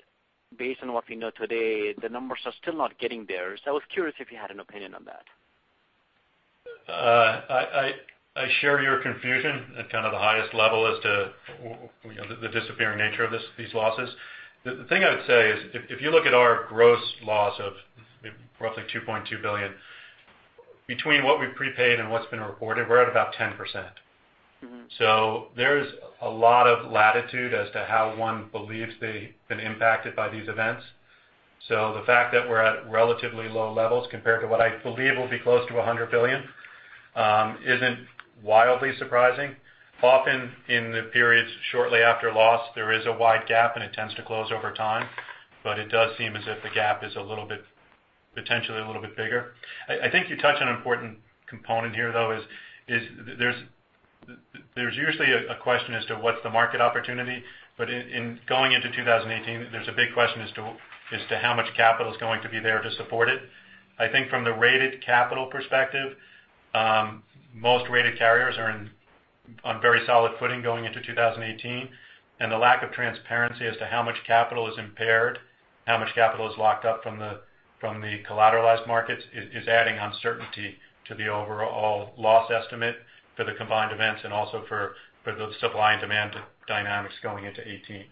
based on what we know today, the numbers are still not getting there. I was curious if you had an opinion on that. I share your confusion at kind of the highest level as to the disappearing nature of these losses. The thing I would say is if you look at our gross loss of roughly $2.2 billion, between what we've prepaid and what's been reported, we're at about 10%. There's a lot of latitude as to how one believes they've been impacted by these events. The fact that we're at relatively low levels compared to what I believe will be close to $100 billion, isn't wildly surprising. Often in the periods shortly after loss, there is a wide gap. It tends to close over time. It does seem as if the gap is potentially a little bit bigger. I think you touched on an important component here, though, is there's usually a question as to what's the market opportunity. In going into 2018, there's a big question as to how much capital is going to be there to support it. I think from the rated capital perspective, most rated carriers are on very solid footing going into 2018. The lack of transparency as to how much capital is impaired, how much capital is locked up from the collateralized markets, is adding uncertainty to the overall loss estimate for the combined events and also for the supply and demand dynamics going into 2018.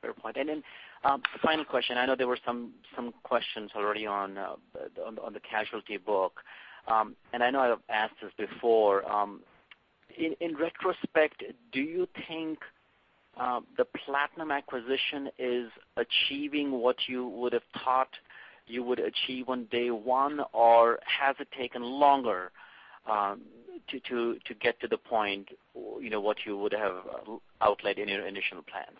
Fair point. Final question. I know there were some questions already on the casualty book. I know I've asked this before. In retrospect, do you think the Platinum acquisition is achieving what you would've thought you would achieve on day one or has it taken longer to get to the point what you would have outlined in your initial plans?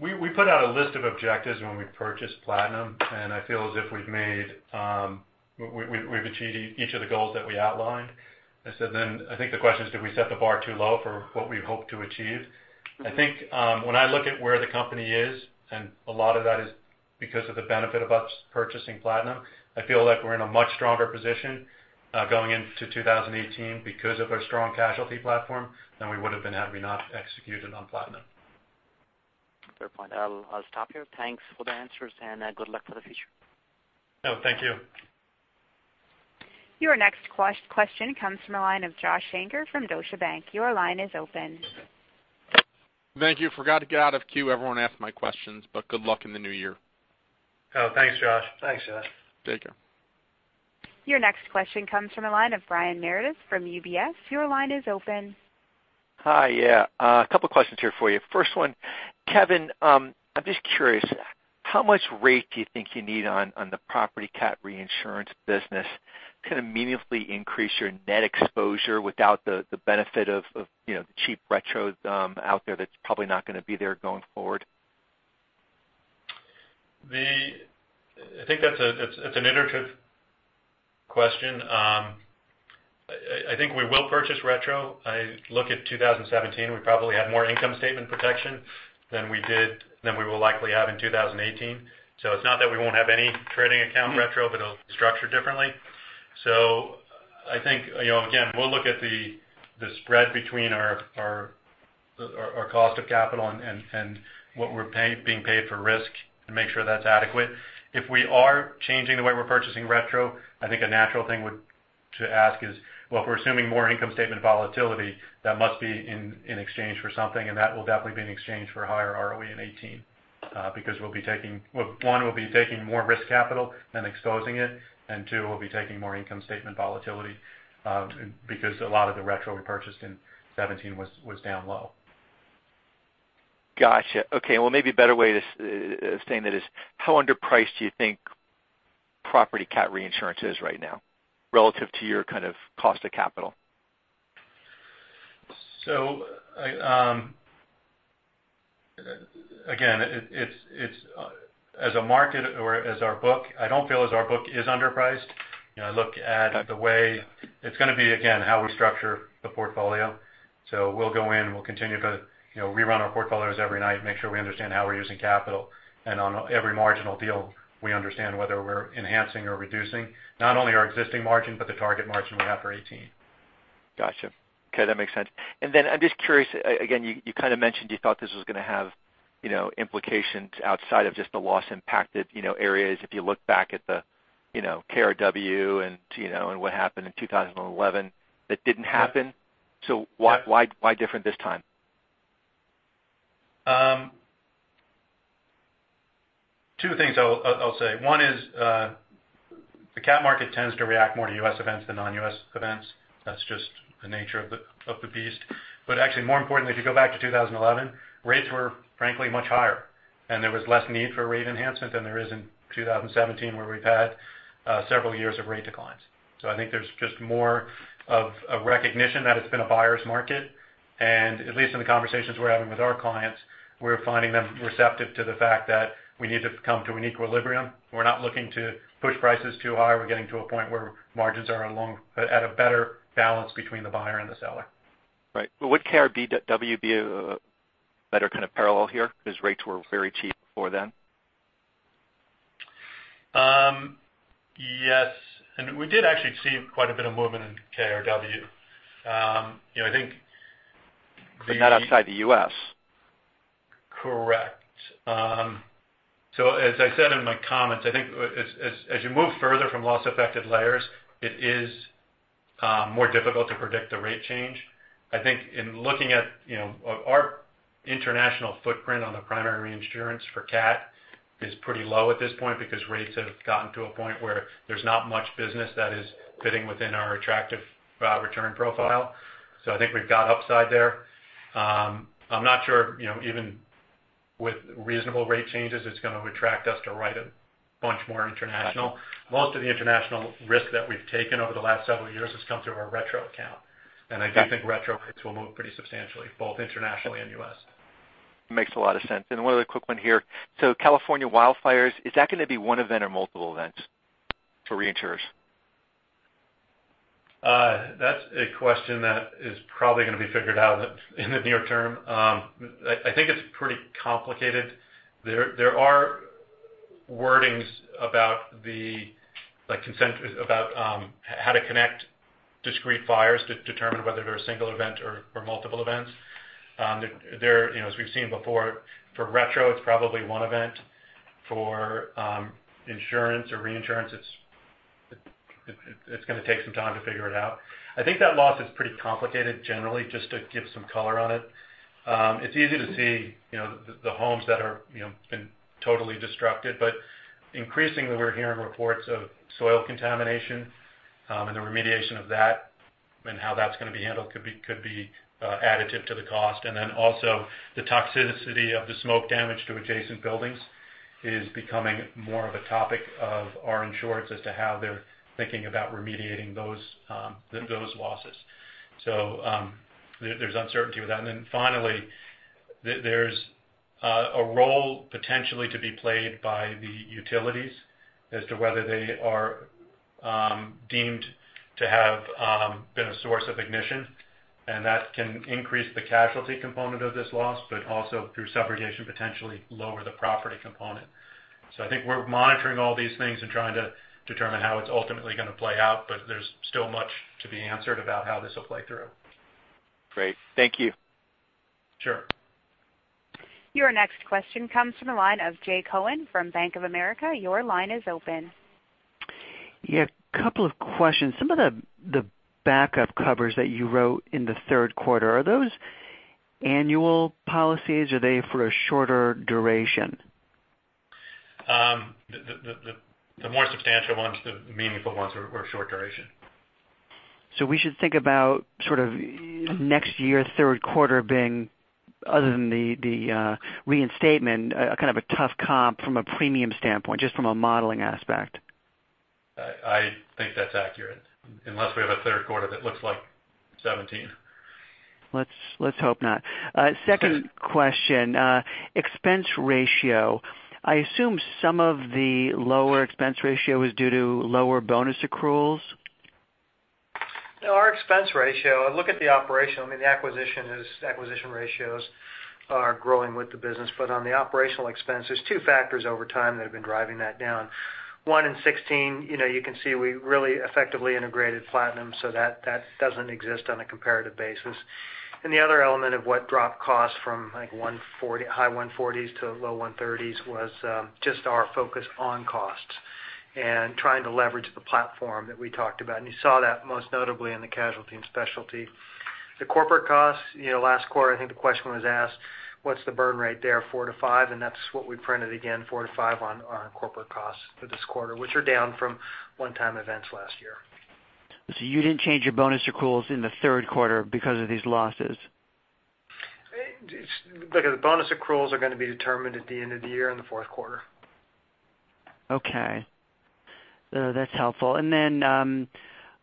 We put out a list of objectives when we purchased Platinum, and I feel as if we've achieved each of the goals that we outlined. I think the question is, did we set the bar too low for what we hoped to achieve? I think, when I look at where the company is, and a lot of that is because of the benefit of us purchasing Platinum, I feel like we're in a much stronger position going into 2018 because of our strong casualty platform than we would've been had we not executed on Platinum. Fair point. I'll stop here. Thanks for the answers and good luck for the future. No, thank you. Your next question comes from the line of Joshua Shanker from Deutsche Bank. Your line is open. Thank you. Forgot to get out of queue. Everyone asked my questions, but good luck in the new year. Thanks, Josh. Thanks, Josh. Take care. Your next question comes from the line of Brian Meredith from UBS. Your line is open. Hi. Yeah. A couple of questions here for you. First one, Kevin, I'm just curious, how much rate do you think you need on the property cat reinsurance business to meaningfully increase your net exposure without the benefit of the cheap retro out there that's probably not going to be there going forward? I think that's an iterative question. I think we will purchase retro. I look at 2017, we probably had more income statement protection than we will likely have in 2018. It's not that we won't have any trading account retro, but it'll be structured differently. I think, again, we'll look at the spread between our cost of capital and what we're being paid for risk and make sure that's adequate. If we are changing the way we're purchasing retro, I think a natural thing to ask is, well, if we're assuming more income statement volatility, that must be in exchange for something, and that will definitely be in exchange for higher ROE in 2018. One, we'll be taking more risk capital than exposing it, and two, we'll be taking more income statement volatility because a lot of the retro we purchased in 2017 was down low. Got you. Okay. Maybe a better way of saying that is how underpriced do you think property cat reinsurance is right now relative to your kind of cost of capital? Again, as a market or as our book, I don't feel as our book is underpriced. I look at the way it's going to be, again, how we structure the portfolio. We'll go in, we'll continue to rerun our portfolios every night, make sure we understand how we're using capital. On every marginal deal, we understand whether we're enhancing or reducing not only our existing margin, but the target margin we have for 2018. Got you. Okay, that makes sense. I'm just curious, again, you kind of mentioned you thought this was going to have implications outside of just the loss impacted areas if you look back at the KRW and what happened in 2011 that didn't happen. Yes. Why different this time? Two things I'll say. One is the cat market tends to react more to U.S. events than non-U.S. events. That's just the nature of the beast. Actually more importantly, if you go back to 2011, rates were frankly much higher, and there was less need for rate enhancement than there is in 2017, where we've had several years of rate declines. I think there's just more of a recognition that it's been a buyer's market, and at least in the conversations we're having with our clients, we're finding them receptive to the fact that we need to come to an equilibrium. We're not looking to push prices too high. We're getting to a point where margins are at a better balance between the buyer and the seller. Right. Well, would KRW be a better kind of parallel here because rates were very cheap before then? Yes. We did actually see quite a bit of movement in KRW. Not outside the U.S. Correct. As I said in my comments, I think as you move further from loss-affected layers, it is more difficult to predict the rate change. I think in looking at our international footprint on the primary reinsurance for CAT is pretty low at this point because rates have gotten to a point where there's not much business that is fitting within our attractive return profile. I think we've got upside there. I'm not sure, even with reasonable rate changes, it's going to attract us to write a bunch more international. Most of the international risk that we've taken over the last several years has come through our retro account. I do think retro rates will move pretty substantially, both internationally and U.S. Makes a lot of sense. One other quick one here. California wildfires, is that going to be one event or multiple events for reinsurers? That's a question that is probably going to be figured out in the near term. I think it's pretty complicated. There are wordings about how to connect discrete fires to determine whether they're a single event or multiple events. As we've seen before, for retro, it's probably one event. For insurance or reinsurance, it's going to take some time to figure it out. I think that loss is pretty complicated generally, just to give some color on it. It's easy to see the homes that have been totally disrupted, but increasingly we're hearing reports of soil contamination, and the remediation of that and how that's going to be handled could be additive to the cost. Then also the toxicity of the smoke damage to adjacent buildings is becoming more of a topic of our insureds as to how they're thinking about remediating those losses. There's uncertainty with that. Finally, there's a role potentially to be played by the utilities as to whether they are deemed to have been a source of ignition, and that can increase the casualty component of this loss, but also through subrogation, potentially lower the property component. I think we're monitoring all these things and trying to determine how it's ultimately going to play out, but there's still much to be answered about how this will play through. Great. Thank you. Sure. Your next question comes from the line of Jay Cohen from Bank of America. Your line is open. Yeah, couple of questions. Some of the backup covers that you wrote in the third quarter, are those annual policies? Are they for a shorter duration? The more substantial ones, the meaningful ones are short duration. We should think about sort of next year, third quarter being, other than the reinstatement, a kind of a tough comp from a premium standpoint, just from a modeling aspect. I think that's accurate. Unless we have a third quarter that looks like 2017. Let's hope not. Second question, expense ratio. I assume some of the lower expense ratio is due to lower bonus accruals? No, our expense ratio, I mean, the acquisition ratios are growing with the business, but on the operational expense, there's two factors over time that have been driving that down. One, in 2016, you can see we really effectively integrated Platinum so that doesn't exist on a comparative basis. The other element of what dropped costs from I think high 140s to low 130s was just our focus on costs and trying to leverage the platform that we talked about. You saw that most notably in the casualty and specialty. The corporate costs, last quarter, I think the question was asked, what's the burn rate there? 4-5, and that's what we printed again, 4-5 on our corporate costs for this quarter, which are down from one-time events last year. You didn't change your bonus accruals in the third quarter because of these losses? Look, the bonus accruals are going to be determined at the end of the year in the fourth quarter. Okay. That's helpful.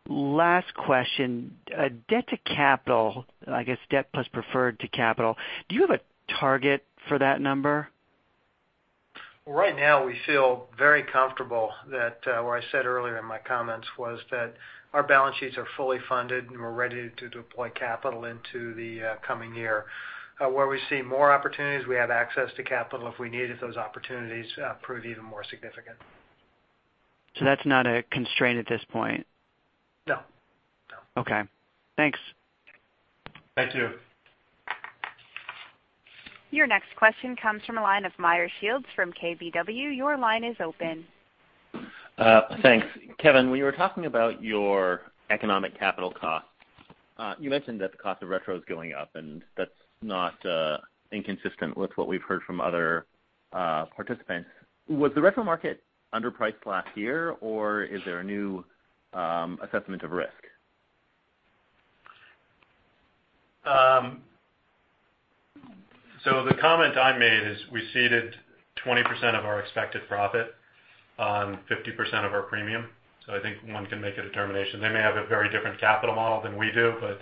Last question, debt to capital, I guess debt plus preferred to capital. Do you have a target for that number? Right now, we feel very comfortable that what I said earlier in my comments was that our balance sheets are fully funded, and we're ready to deploy capital into the coming year. Where we see more opportunities, we have access to capital if we need it if those opportunities prove even more significant. That's not a constraint at this point? No. Okay. Thanks. Thank you. Your next question comes from the line of Meyer Shields from KBW. Your line is open. Thanks. Kevin, when you were talking about your economic capital cost, you mentioned that the cost of retro is going up. That's not inconsistent with what we've heard from other participants. Was the retro market underpriced last year, or is there a new assessment of risk? The comment I made is we ceded 20% of our expected profit on 50% of our premium. I think one can make a determination. They may have a very different capital model than we do, but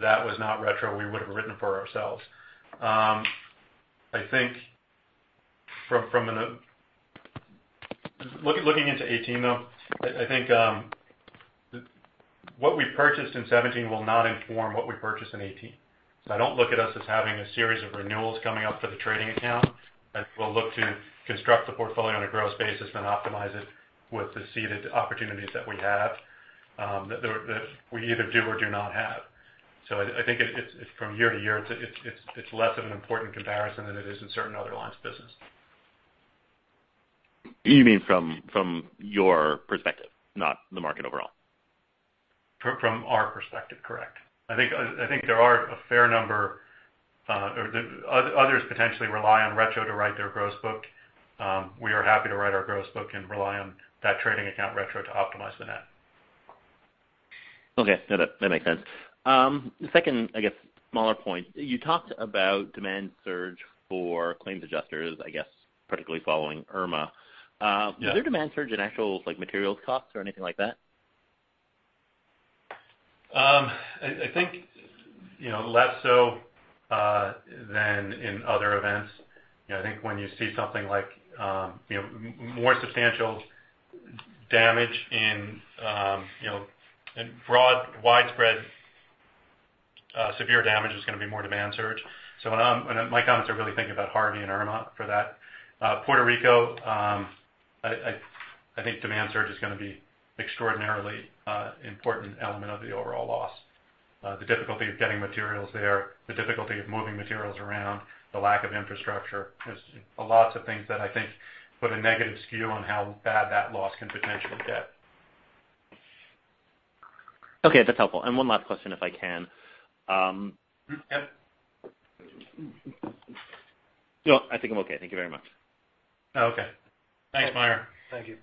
that was not retro we would have written for ourselves. Looking into 2018, though, I think what we purchased in 2017 will not inform what we purchase in 2018. I don't look at us as having a series of renewals coming up for the trading account, as we'll look to construct the portfolio on a gross basis then optimize it with the ceded opportunities that we have, that we either do or do not have. I think from year to year, it's less of an important comparison than it is in certain other lines of business. You mean from your perspective, not the market overall? From our perspective, correct. I think there are a fair number, or others potentially rely on retro to write their gross book. We are happy to write our gross book and rely on that trading account retro to optimize the net. Okay. That makes sense. The second, I guess, smaller point. You talked about demand surge for claims adjusters, I guess particularly following Irma. Yeah. Is there demand surge in actual materials costs or anything like that? I think less so than in other events. I think when you see something like more substantial damage in broad, widespread, severe damage is going to be more demand surge. My comments are really thinking about Hurricane Harvey and Hurricane Irma for that. Puerto Rico, I think demand surge is going to be extraordinarily important element of the overall loss. The difficulty of getting materials there, the difficulty of moving materials around, the lack of infrastructure. There's a lots of things that I think put a negative skew on how bad that loss can potentially get. Okay, that's helpful. One last question, if I can. Yep. No, I think I'm okay. Thank you very much. Oh, okay. Thanks, Meyer. Thank you.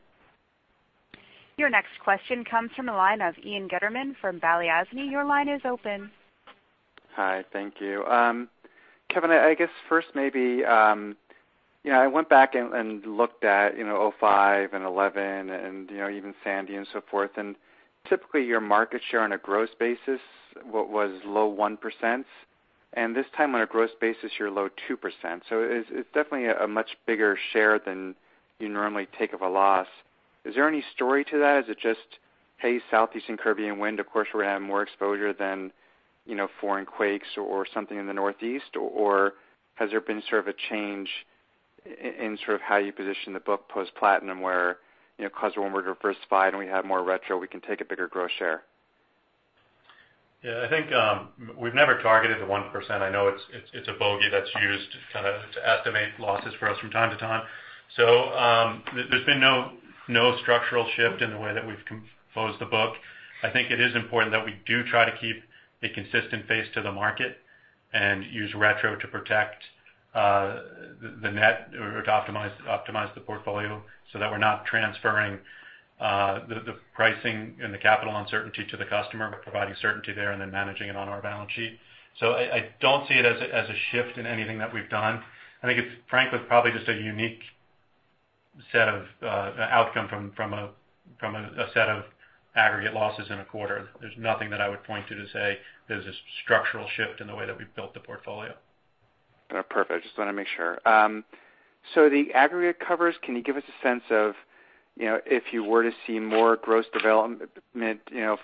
Your next question comes from the line of Ian Gutterman from Balyasny. Your line is open. Hi, thank you. Kevin, I guess first maybe, I went back and looked at 2005 and 2011 and even Sandy and so forth, typically your market share on a gross basis, what was low 1%, and this time on a gross basis, you're low 2%. It's definitely a much bigger share than you normally take of a loss. Is there any story to that? Is it just, "Hey, Southeast and Caribbean wind, of course, we're going to have more exposure than foreign quakes or something in the Northeast?" Or has there been sort of a change in how you position the book post Platinum where, because when we're diversified and we have more retro, we can take a bigger gross share? Yeah, I think we've never targeted the 1%. I know it's a bogey that's used to estimate losses for us from time to time. There's been no structural shift in the way that we've composed the book. I think it is important that we do try to keep a consistent face to the market and use retro to protect the net or to optimize the portfolio so that we're not transferring the pricing and the capital uncertainty to the customer, but providing certainty there and then managing it on our balance sheet. I don't see it as a shift in anything that we've done. I think it's frankly, probably just a unique set of outcome from a set of aggregate losses in a quarter. There's nothing that I would point to say there's a structural shift in the way that we've built the portfolio. Perfect. Just want to make sure. The aggregate covers, can you give us a sense of if you were to see more gross development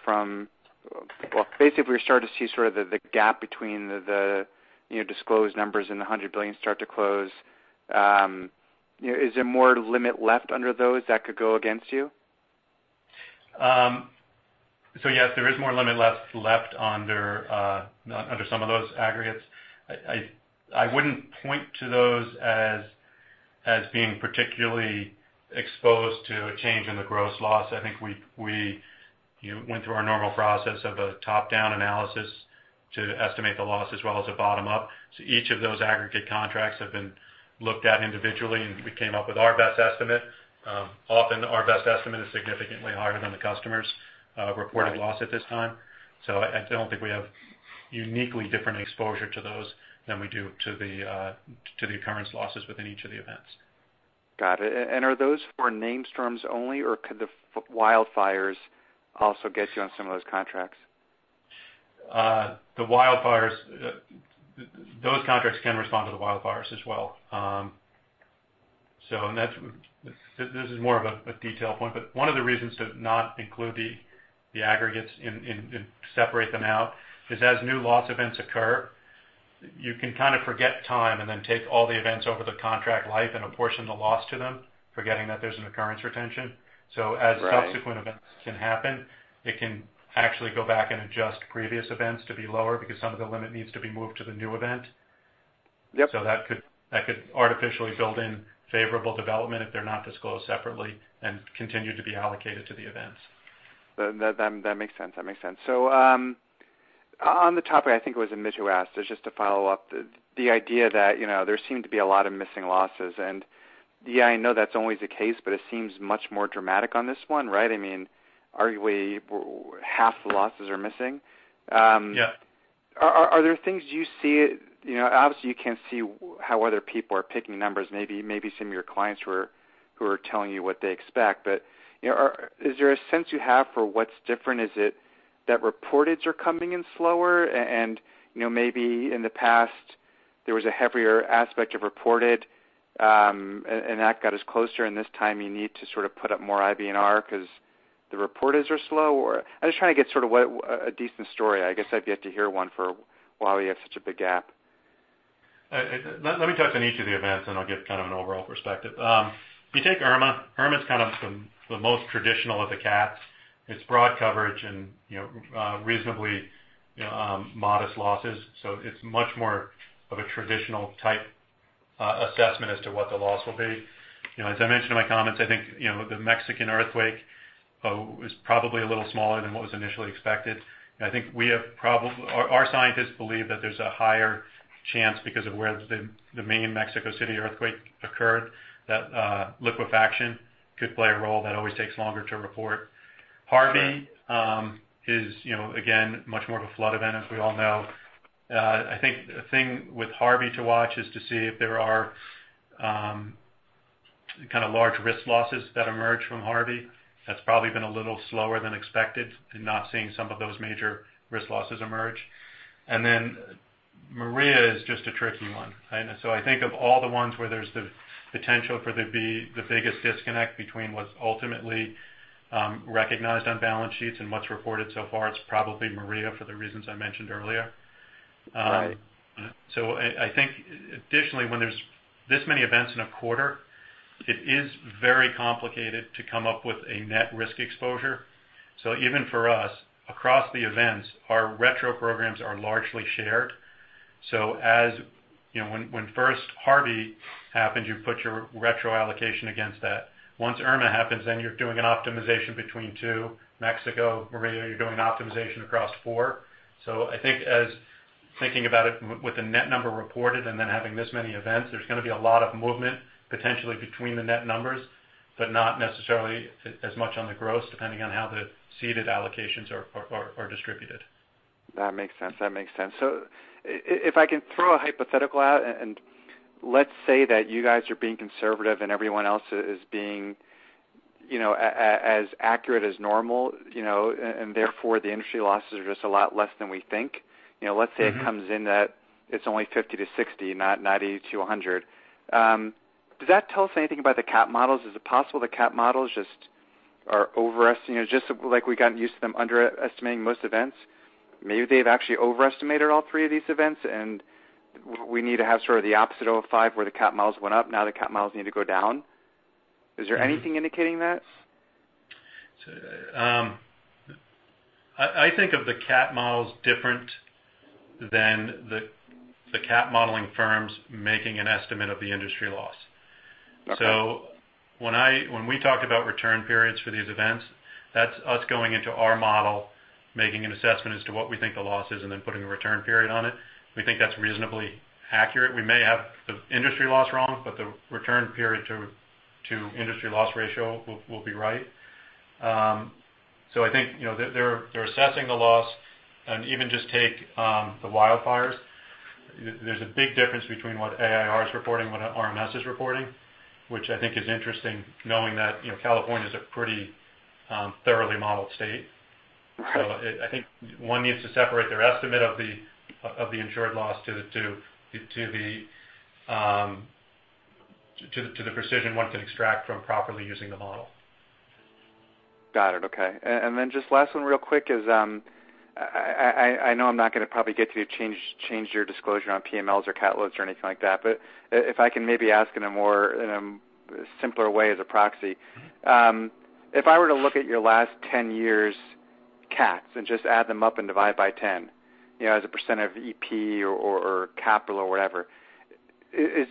from basically, if we're starting to see the gap between the disclosed numbers and the $100 billion start to close, is there more limit left under those that could go against you? Yes, there is more limit left under some of those aggregates. I wouldn't point to those as being particularly exposed to a change in the gross loss. I think we went through our normal process of a top-down analysis to estimate the loss as well as a bottom up. Each of those aggregate contracts have been looked at individually, and we came up with our best estimate. Often our best estimate is significantly higher than the customer's reported loss at this time. I don't think we have uniquely different exposure to those than we do to the occurrence losses within each of the events. Got it. Are those for named storms only, or could the wildfires also get you on some of those contracts? Those contracts can respond to the wildfires as well. This is more of a detail point, but one of the reasons to not include the aggregates and separate them out is as new loss events occur, you can kind of forget time and then take all the events over the contract life and apportion the loss to them, forgetting that there's an occurrence retention. Right. As subsequent events can happen, it can actually go back and adjust previous events to be lower because some of the limit needs to be moved to the new event. Yep. That could artificially build in favorable development if they're not disclosed separately and continue to be allocated to the events. That makes sense. On the topic, I think it was Mitch who asked, it's just a follow-up. The idea that there seemed to be a lot of missing losses, and yeah, I know that's always the case, but it seems much more dramatic on this one, right? I mean, arguably half the losses are missing. Yeah. Are there things you see? Obviously, you can't see how other people are picking numbers. Maybe some of your clients who are telling you what they expect, but is there a sense you have for what's different? Is it that reportage are coming in slower and maybe in the past There was a heavier aspect of reported, and that got us closer. This time you need to put up more IBNR because the reporteds are slow? I'm just trying to get a decent story. I guess I'd have to hear one for why we have such a big gap. Let me touch on each of the events, I'll give kind of an overall perspective. If you take Irma's kind of the most traditional of the cats. It's broad coverage and reasonably modest losses. It's much more of a traditional type assessment as to what the loss will be. As I mentioned in my comments, I think, the Mexican earthquake was probably a little smaller than what was initially expected. I think our scientists believe that there's a higher chance because of where the main Mexico City earthquake occurred, that liquefaction could play a role. That always takes longer to report. Harvey is, again, much more of a flood event, as we all know. I think the thing with Harvey to watch is to see if there are large risk losses that emerge from Harvey. That's probably been a little slower than expected in not seeing some of those major risk losses emerge. Maria is just a tricky one. I think of all the ones where there's the potential for there to be the biggest disconnect between what's ultimately recognized on balance sheets and what's reported so far, it's probably Maria for the reasons I mentioned earlier. Right. I think additionally, when there's this many events in a quarter, it is very complicated to come up with a net risk exposure. Even for us, across the events, our retro programs are largely shared. When first Harvey happened, you put your retro allocation against that. Once Irma happens, then you're doing an optimization between two. Mexico, Maria, you're doing optimization across four. I think as thinking about it with the net number reported and then having this many events, there's going to be a lot of movement potentially between the net numbers, but not necessarily as much on the gross, depending on how the ceded allocations are distributed. That makes sense. If I can throw a hypothetical out, and let's say that you guys are being conservative and everyone else is being as accurate as normal, and therefore the industry losses are just a lot less than we think. Let's say it comes in that it's only $50-$60, not $80-$100. Does that tell us anything about the cat models? Is it possible the cat models just are overestimating? Just like we got used to them underestimating most events, maybe they've actually overestimated all three of these events and we need to have sort of the opposite of 2005, where the cat models went up, now the cat models need to go down. Is there anything indicating that? I think of the cat models different than the cat modeling firms making an estimate of the industry loss. Okay. When we talk about return periods for these events, that's us going into our model, making an assessment as to what we think the loss is, and then putting a return period on it. We think that's reasonably accurate. We may have the industry loss wrong, but the return period to industry loss ratio will be right. I think they're assessing the loss, and even just take the wildfires. There's a big difference between what AIR is reporting and what RMS is reporting, which I think is interesting knowing that California's a pretty thoroughly modeled state. Right. I think one needs to separate their estimate of the insured loss to the precision one can extract from properly using the model. Got it. Okay. Just last one real quick is, I know I'm not going to probably get you to change your disclosure on PMLs or cat loads or anything like that, but if I can maybe ask in a simpler way as a proxy. If I were to look at your last 10 years' cats and just add them up and divide by 10 as a % of EP or capital or whatever, is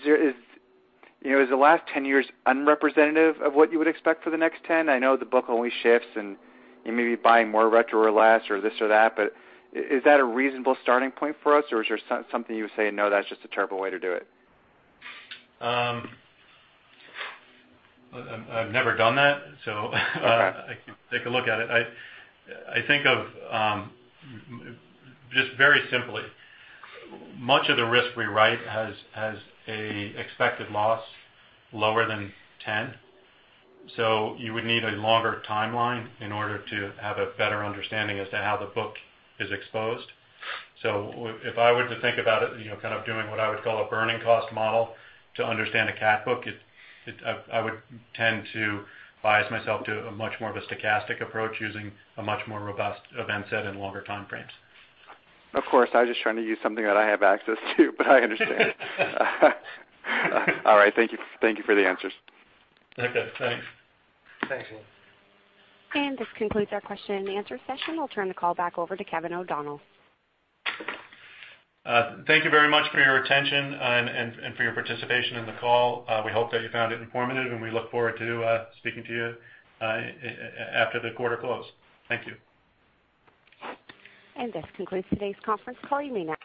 the last 10 years unrepresentative of what you would expect for the next 10? I know the book only shifts and you may be buying more retro or less or this or that, but is that a reasonable starting point for us? Or is there something you would say, no, that's just a terrible way to do it? I've never done that, so I can take a look at it. I think of just very simply, much of the risk we write has a expected loss lower than 10. You would need a longer timeline in order to have a better understanding as to how the book is exposed. If I were to think about it, kind of doing what I would call a burning cost model to understand a cat book, I would tend to bias myself to a much more of a stochastic approach using a much more robust event set and longer time frames. Of course, I was just trying to use something that I have access to, but I understand. All right. Thank you for the answers. Okay, thanks. Thanks. This concludes our question and answer session. We'll turn the call back over to Kevin O'Donnell. Thank you very much for your attention and for your participation in the call. We hope that you found it informative, and we look forward to speaking to you after the quarter close. Thank you. This concludes today's conference call. You may now-